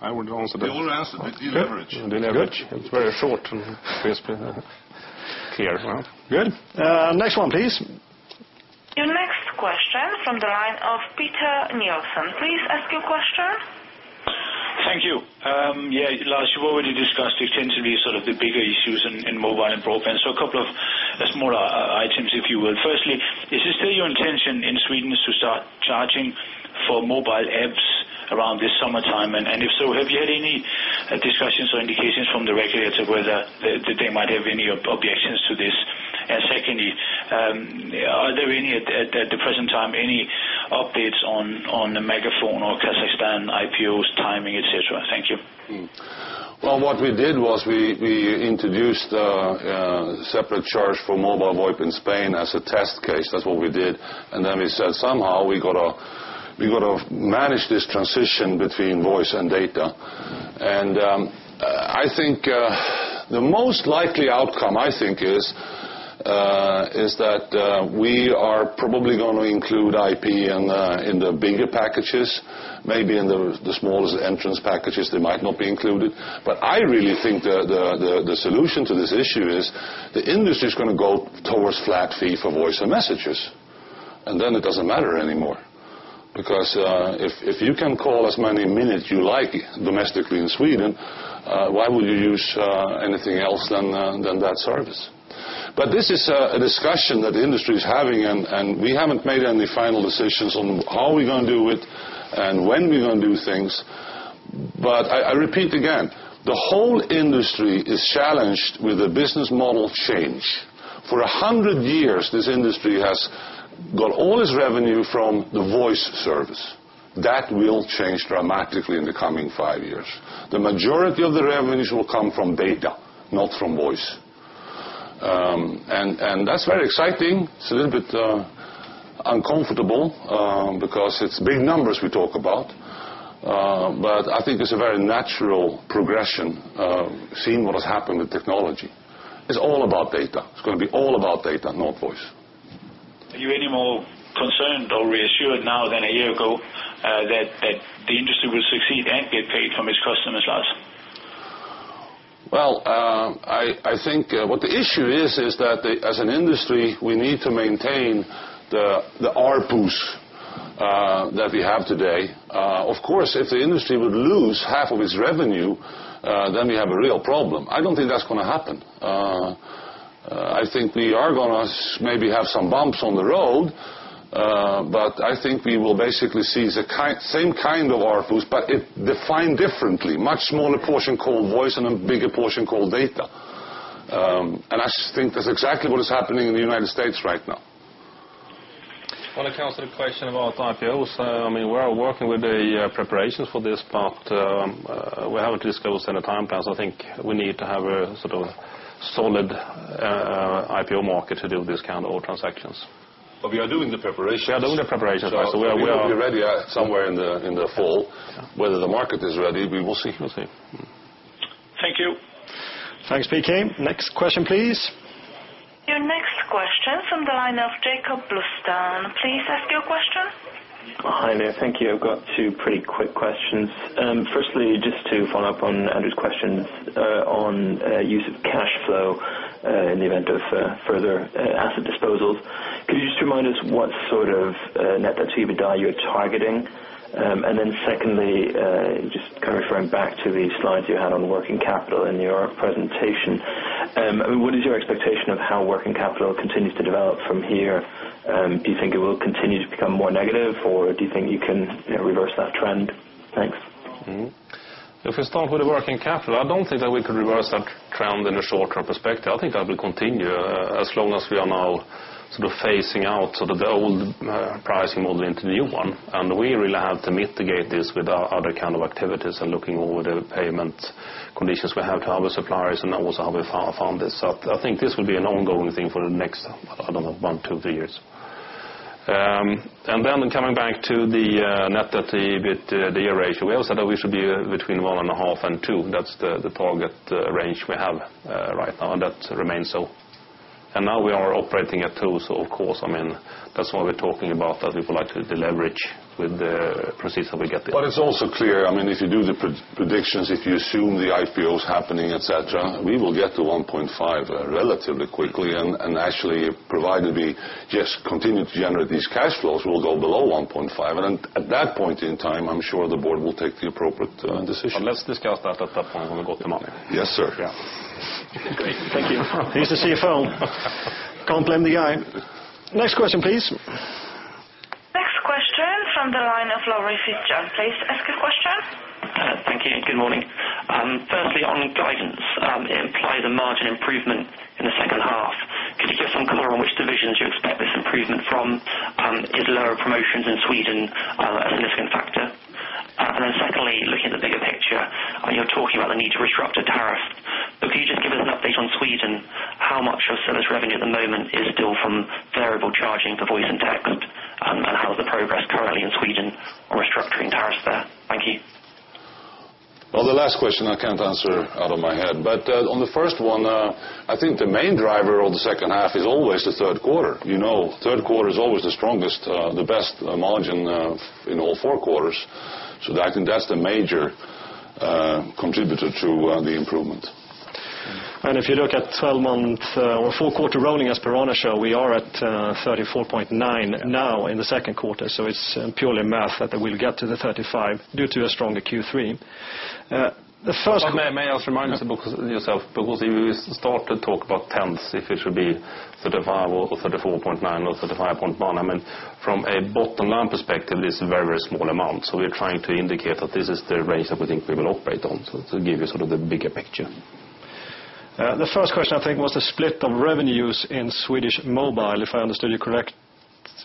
I would answer that. They all answered. It's the leverage. The leverage. Good. It's very short and crisp. Clear. Well, good. Next one, please. Your next question from the line of Peter Nielsen. Please ask your question. Thank you. Yeah, Lars, you've already discussed extensively sort of the bigger issues in mobile and broadband. A couple of smaller items, if you will. Firstly, is it still your intention in Sweden to start charging for mobile apps around this summertime? If so, have you had any discussions or indications from the regulator whether they might have any objections to this? Secondly, are there, at the present time, any updates on the MegaFon or Kazakhstan IPOs timing, et cetera? Thank you. Well, what we did was we introduced a separate charge for mobile VoIP in Spain as a test case. That's what we did. Then we said, somehow we got to manage this transition between voice and data. The most likely outcome, I think, is that we are probably going to include IP in the bigger packages. Maybe in the smallest entrance packages, they might not be included. I really think the solution to this issue is the industry's going to go towards flat fee for voice and messages, and then it doesn't matter anymore. If you can call as many minutes you like domestically in Sweden, why would you use anything else than that service? This is a discussion that the industry is having, and we haven't made any final decisions on how we're going to do it and when we're going to do things. I repeat again, the whole industry is challenged with a business model change. For 100 years, this industry has got all its revenue from the voice service. That will change dramatically in the coming five years. The majority of the revenues will come from data, not from voice. That's very exciting. It's a little bit uncomfortable because it's big numbers we talk about, but I think it's a very natural progression, seeing what has happened with technology. It's all about data. It's going to be all about data, not voice. Are you any more concerned or reassured now than a year ago that the industry will succeed and get paid from its customers, Lars? Well, I think what the issue is that as an industry, we need to maintain the ARPU that we have today. Of course, if the industry would lose half of its revenue, then we have a real problem. I don't think that's going to happen. I think we are going to maybe have some bumps on the road, but I think we will basically see the same kind of ARPU, but it defined differently, much smaller portion called voice and a bigger portion called data. I think that's exactly what is happening in the U.S. right now. Well, to answer the question about IPOs, we are working with the preparations for this, but we haven't disclosed any timelines. I think we need to have a sort of solid IPO market to do this kind of transactions. We are doing the preparations. We are doing the preparations. We'll be ready somewhere in the fall. Whether the market is ready, we will see. We'll see. Thank you. Thanks, Peter. Next question, please. Your next question from the line of Jakob Bluestone. Please ask your question. Hi there. Thank you. I've got two pretty quick questions. Firstly, just to follow up on Andrew's questions on use of cash flow in the event of further asset disposals, could you just remind us what sort of net debt to EBITDA you're targeting? Secondly, just kind of referring back to the slides you had on working capital in your presentation, what is your expectation of how working capital continues to develop from here? Do you think it will continue to become more negative, or do you think you can reverse that trend? Thanks. If we start with the working capital, I don't think that we could reverse that trend in a short-term perspective. I think that will continue as long as we are now sort of phasing out the old pricing model into the new one, and we really have to mitigate this with our other kind of activities and looking over the payment conditions we have to our suppliers and also how we fund this. I think this will be an ongoing thing for the next, I don't know, one, two, three years. Coming back to the net debt to EBITDA ratio, we also said that we should be between one and a half and two. That's the target range we have right now, and that remains so. Now we are operating at two, of course, that's why we're talking about that we would like to deleverage with the proceeds that we get there. It's also clear, if you do the predictions, if you assume the IPO's happening, et cetera, we will get to 1.5 relatively quickly, and actually, provided we just continue to generate these cash flows, we'll go below 1.5, and at that point in time, I'm sure the board will take the appropriate decision. Let's discuss that at that point when we got the money. Yes, sir. Yeah. Thank you. He's the CFO. Can't blame the guy. Next question, please. From the line of Laurie Fitzjohn. Please ask your question. Thank you. Good morning. Firstly, on guidance, it implied a margin improvement in the second half. Could you give some color on which divisions you expect this improvement from? Is lower promotions in Sweden a significant factor? Secondly, looking at the bigger picture, you're talking about the need to disrupt a tariff. Could you just give us an update on Sweden, how much of Telia's revenue at the moment is still from variable charging for voice and text? How's the progress currently in Sweden on restructuring tariffs there? Thank you. Well, the last question I can't answer out of my head, but on the first one, I think the main driver of the second half is always the third quarter. Third quarter is always the strongest, the best margin in all four quarters. I think that's the major contributor to the improvement. If you look at 12-month or four-quarter rolling, as Per-Arne showed, we are at 34.9 now in the second quarter, so it's purely math that we'll get to the 35 due to a stronger Q3. May I also remind yourself, because if we start to talk about tenths, if it should be 35 or 34.9 or 35.9, from a bottom-line perspective, this is a very small amount. We're trying to indicate that this is the range that we think we will operate on. To give you sort of the bigger picture. The first question, I think, was the split of revenues in Swedish mobile, if I understood you correctly,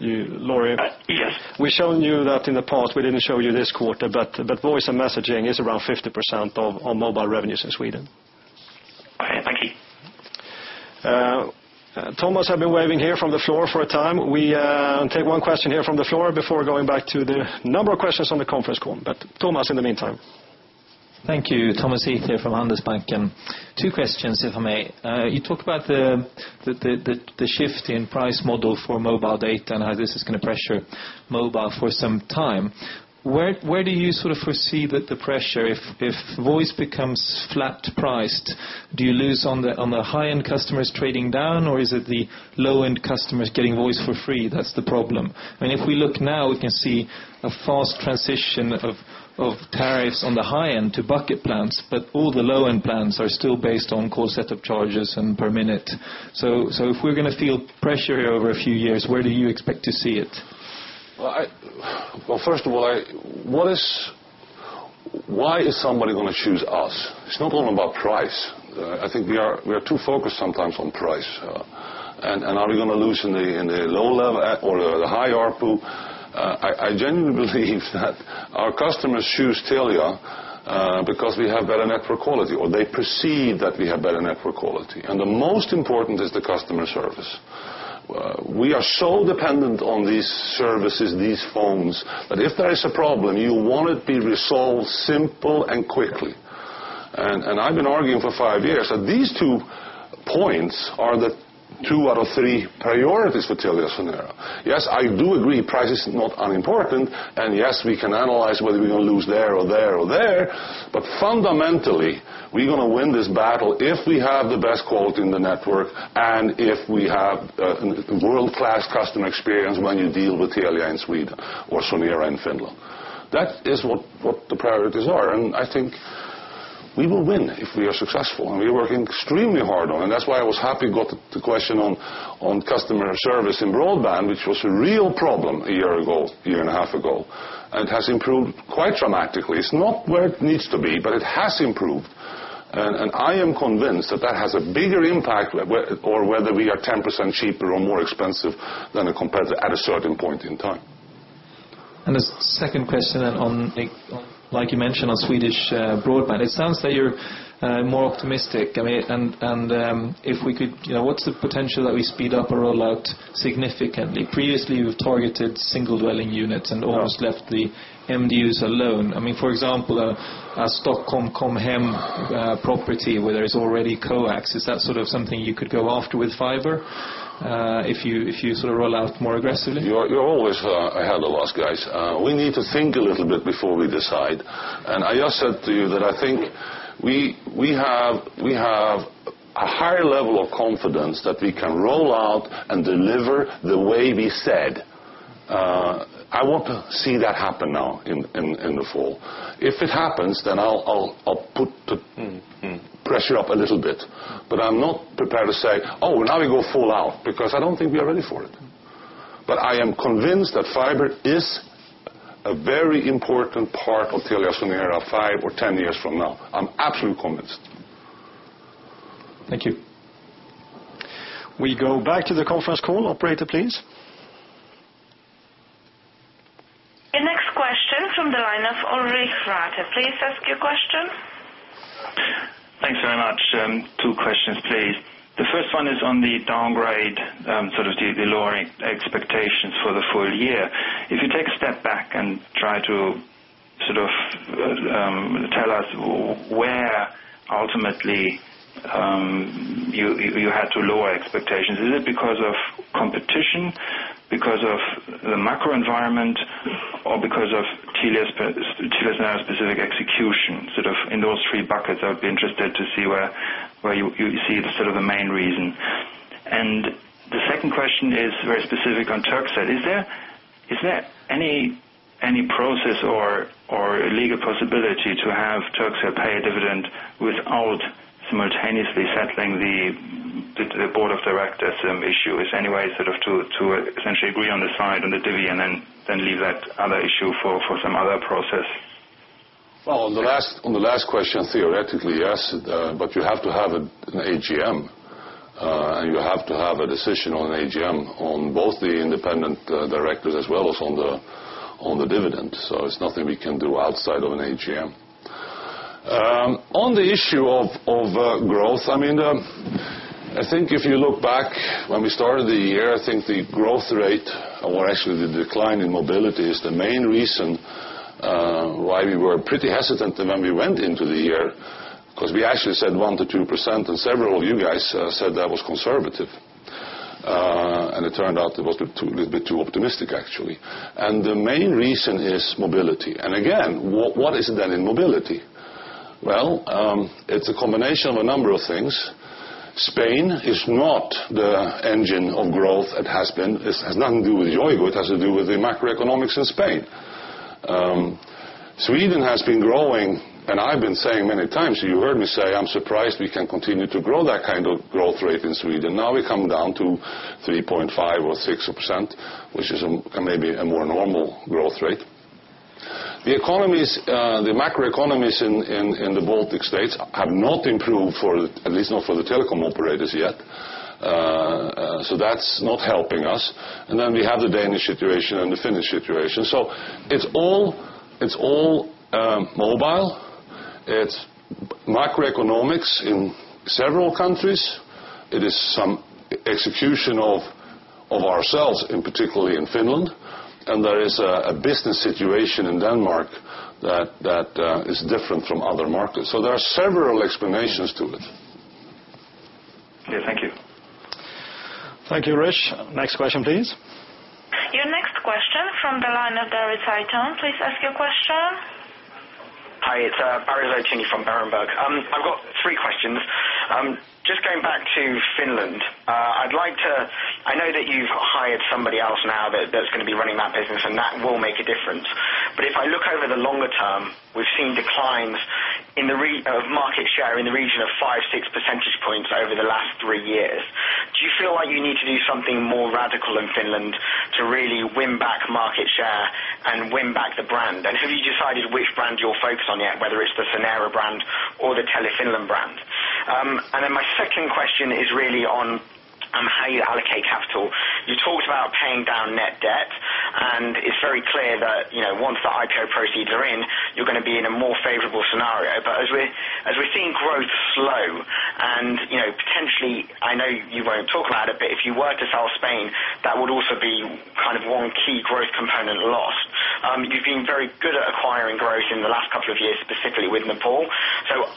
Laurie. Yes. We've shown you that in the past. We didn't show you this quarter, but voice and messaging is around 50% of mobile revenues in Sweden. Thank you. Thomas has been waving here from the floor for a time. We take one question here from the floor before going back to the number of questions on the conference call. Thomas, in the meantime. Thank you. Thomas Heath here from Handelsbanken, two questions, if I may. You talked about the shift in price model for mobile data and how this is going to pressure mobile for some time. Where do you foresee that the pressure, if voice becomes flat-priced, do you lose on the high-end customers trading down, or is it the low-end customers getting voice for free that's the problem? If we look now, we can see a fast transition of tariffs on the high-end to bucket plans, but all the low-end plans are still based on call set up charges and per minute. If we're going to feel pressure here over a few years, where do you expect to see it? Well, first of all, why is somebody going to choose us? It's not all about price. I think we are too focused sometimes on price. Are we going to lose in the low-level or the high ARPU? I genuinely believe that our customers choose Telia, because we have better network quality, or they perceive that we have better network quality. The most important is the customer service. We are so dependent on these services, these phones, that if there is a problem, you want it be resolved simple and quickly. I've been arguing for five years that these two points are the two out of three priorities for TeliaSonera. Yes, I do agree price is not unimportant, yes, we can analyze whether we're going to lose there or there or there, fundamentally, we're going to win this battle if we have the best quality in the network, if we have a world-class customer experience when you deal with Telia in Sweden or Sonera in Finland. That is what the priorities are, I think we will win if we are successful, we are working extremely hard on it. That's why I was happy you got the question on customer service in broadband, which was a real problem a year ago, year and a half ago, has improved quite dramatically. It's not where it needs to be, but it has improved. I am convinced that that has a bigger impact, or whether we are 10% cheaper or more expensive than a competitor at a certain point in time. Second question on, like you mentioned, on Swedish broadband. It sounds like you're more optimistic. What's the potential that we speed up a rollout significantly? Previously, you've targeted single-dwelling units and almost left the MDUs alone. For example, a Stockholm KomHem property where there's already coax, is that something you could go after with fiber if you roll out more aggressively? You're always ahead of us guys. We need to think a little bit before we decide. I just said to you that I think we have a higher level of confidence that we can roll out and deliver the way we said. I want to see that happen now in the fall. If it happens, then I'll put the pressure up a little bit. I'm not prepared to say, "Oh, now we go full out," because I don't think we are ready for it. I am convinced that fiber is a very important part of TeliaSonera five or 10 years from now. I'm absolutely convinced. Thank you. We go back to the conference call. Operator, please. The next question from the line of Ulrich Rathe. Please ask your question. Thanks very much. Two questions, please. The first one is on the downgrade, the lowering expectations for the full year. If you take a step back and try to tell us where ultimately you had to lower expectations, is it because of competition, because of the macro environment, or because of TeliaSonera specific execution? In those three buckets, I would be interested to see where you see the main reason. The second question is very specific on Turkcell. Is there any process or legal possibility to have Turkcell pay a dividend without simultaneously settling the The board of directors issue is anyway to essentially agree on the side on the divvy and then leave that other issue for some other process. Well, on the last question, theoretically, yes. You have to have an AGM. You have to have a decision on an AGM on both the independent directors as well as on the dividend. It's nothing we can do outside of an AGM. On the issue of growth, I think if you look back when we started the year, I think the growth rate or actually the decline in mobility is the main reason why we were pretty hesitant when we went into the year, because we actually said 1% to 2%, and several of you guys said that was conservative. It turned out it was a little bit too optimistic, actually. The main reason is mobility. Again, what is it then in mobility? Well, it's a combination of a number of things. Spain is not the engine of growth it has been. This has nothing to do with Yoigo. It has to do with the macroeconomics in Spain. Sweden has been growing, and I've been saying many times, you heard me say, I'm surprised we can continue to grow that kind of growth rate in Sweden. Now we come down to 3.5% or 6%, which is maybe a more normal growth rate. The macroeconomies in the Baltic States have not improved, at least not for the telecom operators yet. That's not helping us. Then we have the Danish situation and the Finnish situation. It's all mobile. It's macroeconomics in several countries. It is some execution of ourselves, particularly in Finland. There is a business situation in Denmark that is different from other markets. There are several explanations to it. Okay, thank you. Thank you, Ulrich. Next question, please. Your next question from the line of Barry Zaitoon. Please ask your question. Hi, it's Barry Zaitoon from Berenberg. I've got three questions. Just going back to Finland. I know that you've hired somebody else now that's going to be running that business, and that will make a difference. If I look over the longer term, we've seen declines of market share in the region of 5-6 percentage points over the last three years. Do you feel like you need to do something more radical in Finland to really win back market share and win back the brand? Have you decided which brand you'll focus on yet, whether it's the Sonera brand or the Tele Finland brand? My second question is really on how you allocate capital. You talked about paying down net debt, and it's very clear that once the IPO proceeds are in, you're going to be in a more favorable scenario. As we're seeing growth slow and potentially, I know you won't talk about it, but if you were to sell Spain, that would also be one key growth component lost. You've been very good at acquiring growth in the last couple of years, specifically with Kcell.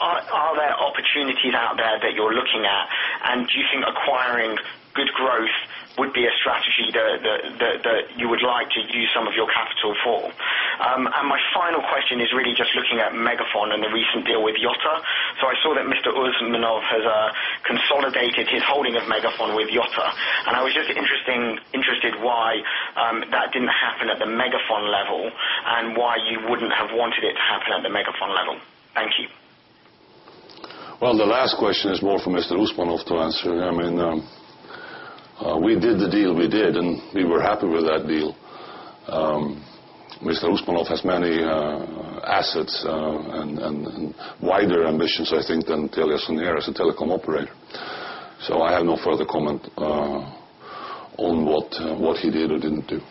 Are there opportunities out there that you're looking at? Do you think acquiring good growth would be a strategy that you would like to use some of your capital for? My final question is really just looking at MegaFon and the recent deal with Yota. I saw that Mr. Usmanov has consolidated his holding of MegaFon with Yota. I was just interested why that didn't happen at the MegaFon level and why you wouldn't have wanted it to happen at the MegaFon level. Thank you. Well, the last question is more for Mr. Usmanov to answer. We did the deal we did, and we were happy with that deal. Mr. Usmanov has many assets and wider ambitions, I think, than TeliaSonera as a telecom operator. I have no further comment on what he did or didn't do.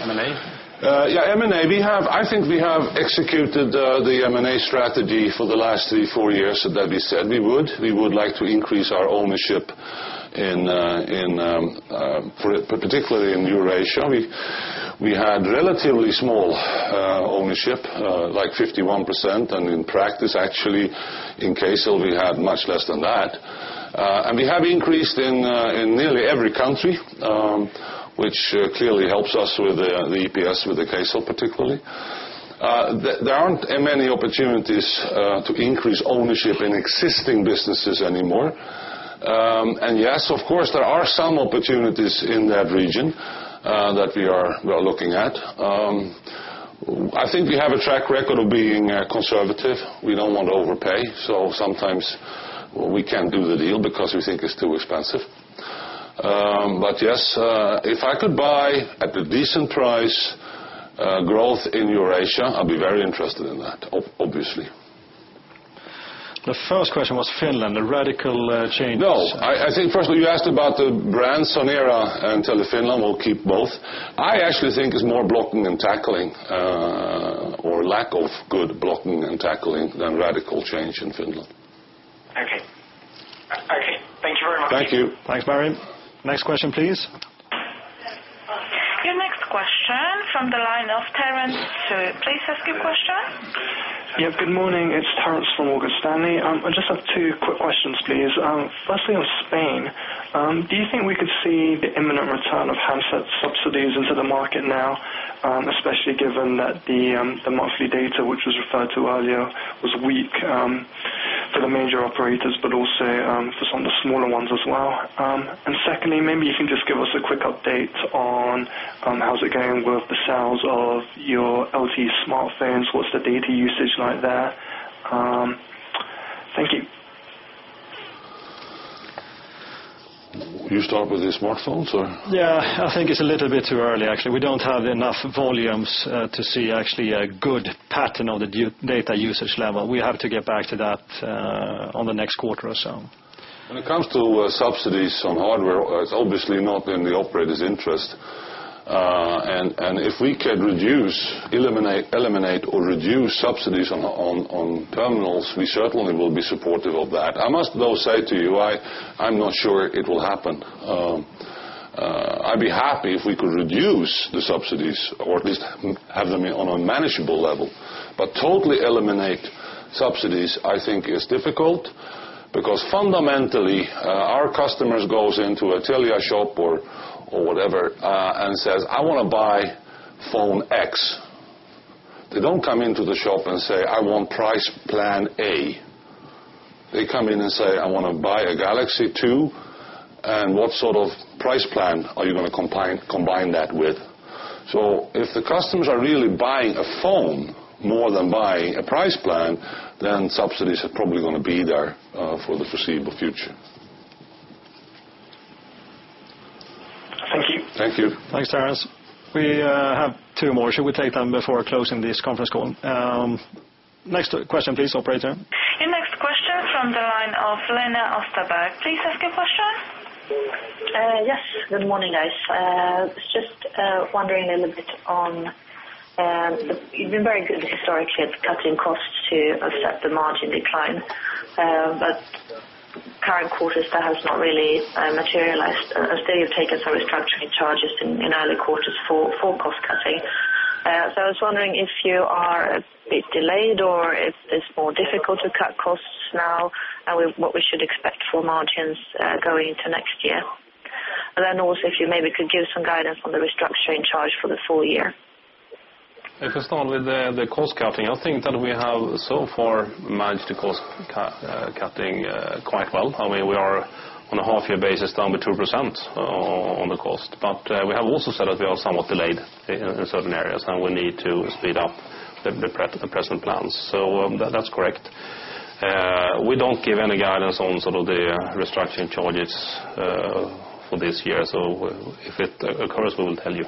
M&A? Yeah, M&A. I think we have executed the M&A strategy for the last 3-4 years that we said we would. We would like to increase our ownership, particularly in Eurasia. We had relatively small ownership, like 51%, and in practice, actually, in Kcell, we had much less than that. We have increased in nearly every country, which clearly helps us with the EPS, with the Kcell, particularly. There aren't many opportunities to increase ownership in existing businesses anymore. Yes, of course, there are some opportunities in that region that we are looking at. I think we have a track record of being conservative. We don't want to overpay, so sometimes we can't do the deal because we think it's too expensive. Yes, if I could buy at a decent price growth in Eurasia, I'd be very interested in that, obviously. The first question was Finland, the radical changes. No, I think firstly, you asked about the brand Sonera and Tele Finland. We'll keep both. I actually think it's more blocking and tackling or lack of good blocking and tackling than radical change in Finland. Okay. Thank you very much. Thank you. Thanks, Barry. Next question, please. Your next question from the line of Terence Chu. Please ask your question. Yeah, good morning. It's Terence from Morgan Stanley. I just have two quick questions, please. First thing on Spain, do you think we could see the imminent return of handset subsidies into the market now, especially given that the monthly data, which was referred to earlier, was weak for the major operators, but also for some of the smaller ones as well? Secondly, maybe you can just give us a quick update on how's it going with the sales of your LTE smartphones. What's the data usage like there? Thank you. You start with the smartphones or? Yeah, I think it's a little bit too early, actually. We don't have enough volumes to see actually a good pattern of the data usage level. We have to get back to that on the next quarter or so. When it comes to subsidies on hardware, it's obviously not in the operator's interest. If we can eliminate or reduce subsidies on terminals, we certainly will be supportive of that. I must though say to you, I'm not sure it will happen. I'd be happy if we could reduce the subsidies or at least have them on a manageable level. To totally eliminate subsidies, I think is difficult because fundamentally, our customers go into a Telia shop or whatever, and say, "I want to buy phone X." They don't come into the shop and say, "I want price plan A." They come in and say, "I want to buy a Galaxy 2, and what sort of price plan are you going to combine that with?" If the customers are really buying a phone more than buying a price plan, then subsidies are probably going to be there for the foreseeable future. Thank you. Thank you. Thanks, Terence. We have two more. Should we take them before closing this conference call? Next question please, operator. The next question from the line of Lena Österberg. Please ask your question. Yes. Good morning, guys. Just wondering a little bit on, you've been very good historically at cutting costs to offset the margin decline. Current quarter, that has not really materialized as you have taken some restructuring charges in earlier quarters for cost-cutting. I was wondering if you are a bit delayed or if it's more difficult to cut costs now, and what we should expect for margins going into next year. Then also, if you maybe could give some guidance on the restructuring charge for the full year. I start with the cost-cutting, I think that we have so far managed the cost-cutting quite well. We are on a half-year basis down by 2% on the cost. We have also said that we are somewhat delayed in certain areas, and we need to speed up the present plans. That's correct. We don't give any guidance on the restructuring charges for this year. If it occurs, we will tell you.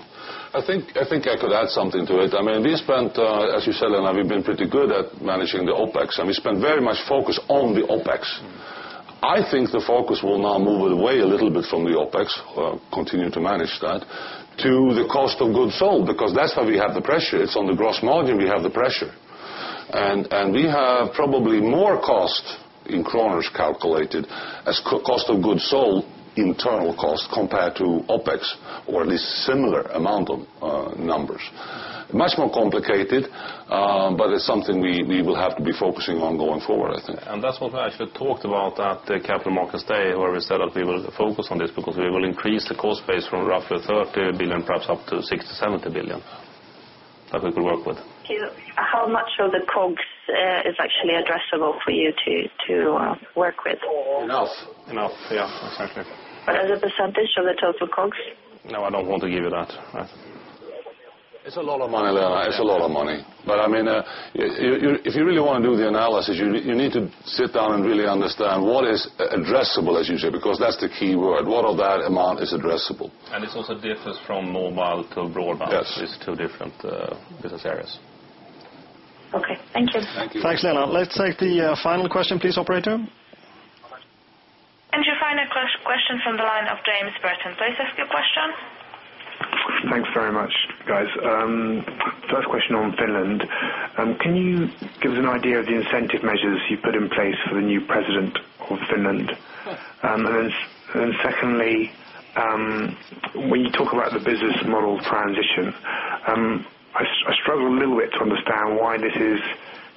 I think I could add something to it. We spent, as you said, Lena, we've been pretty good at managing the OpEx, and we spent very much focus on the OpEx. I think the focus will now move away a little bit from the OpEx, continue to manage that, to the cost of goods sold, because that's where we have the pressure. It's on the gross margin we have the pressure. We have probably more cost in SEK calculated as cost of goods sold, internal cost compared to OpEx, or at least similar amount of numbers. Much more complicated, it's something we will have to be focusing on going forward, I think. That's what we actually talked about at the Capital Markets Day, where we said that we will focus on this because we will increase the cost base from roughly 30 billion, perhaps up to 60 billion-70 billion that we could work with. How much of the COGS is actually addressable for you to work with? Enough. Yeah, exactly. As a % of the total COGS? No, I don't want to give you that. It's a lot of money, Lena. It's a lot of money. If you really want to do the analysis, you need to sit down and really understand what is addressable, as you say, because that's the key word. What of that amount is addressable? It also differs from mobile to broadband. Yes. These two different business areas. Okay. Thank you. Thank you. Thanks, Lena. Let's take the final question please, operator. Your final question from the line of James Burton. Please ask your question. Thanks very much, guys. First question on Finland. Can you give us an idea of the incentive measures you put in place for the new president of Finland? Secondly, when you talk about the business model transition, I struggle a little bit to understand why this is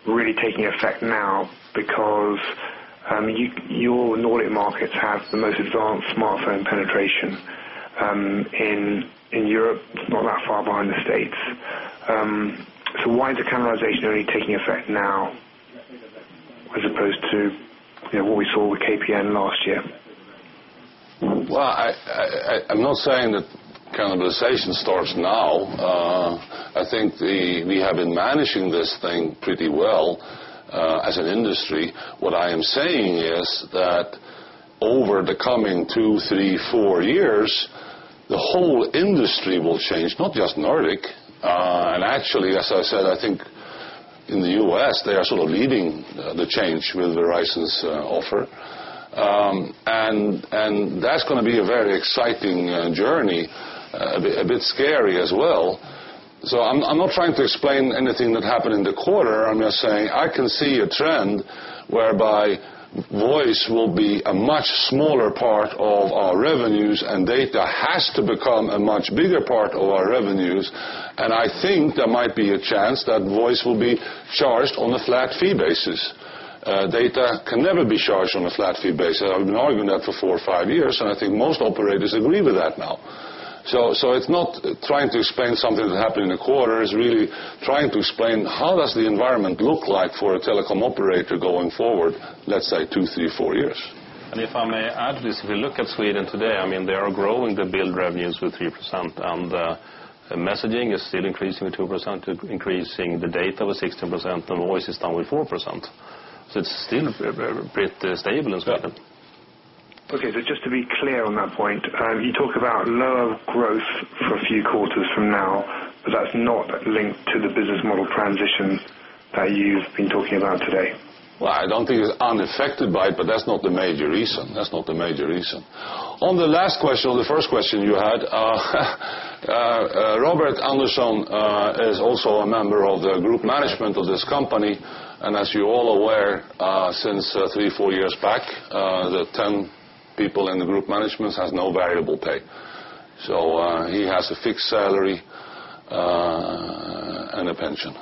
really taking effect now because your Nordic markets have the most advanced smartphone penetration in Europe. It's not that far behind the U.S. Why is the cannibalization only taking effect now as opposed to what we saw with KPN last year? Well, I'm not saying that cannibalization starts now. I think we have been managing this thing pretty well as an industry. What I am saying is that over the coming two, three, four years, the whole industry will change, not just Nordic. Actually, as I said, I think in the U.S., they are sort of leading the change with Verizon's offer. That's going to be a very exciting journey, a bit scary as well. I'm not trying to explain anything that happened in the quarter. I'm just saying I can see a trend whereby voice will be a much smaller part of our revenues, and data has to become a much bigger part of our revenues. I think there might be a chance that voice will be charged on a flat fee basis. Data can never be charged on a flat fee basis. I've been arguing that for four or five years, I think most operators agree with that now. It's not trying to explain something that happened in the quarter. It's really trying to explain how does the environment look like for a telecom operator going forward, let's say two, three, four years. If I may add to this, if you look at Sweden today, they are growing the bill revenues with 3%, the messaging is still increasing with 2%, increasing the data with 16%, voice is down with 4%. It's still a bit stable in Sweden. Yeah. Okay. Just to be clear on that point, you talk about lower growth for a few quarters from now, that's not linked to the business model transition that you've been talking about today. Well, I don't think it's unaffected by it, that's not the major reason. On the last question, or the first question you had, Robert Andersson is also a member of the group management of this company. As you're all aware, since three, four years back, the 10 people in the group management have no variable pay. He has a fixed salary and a pension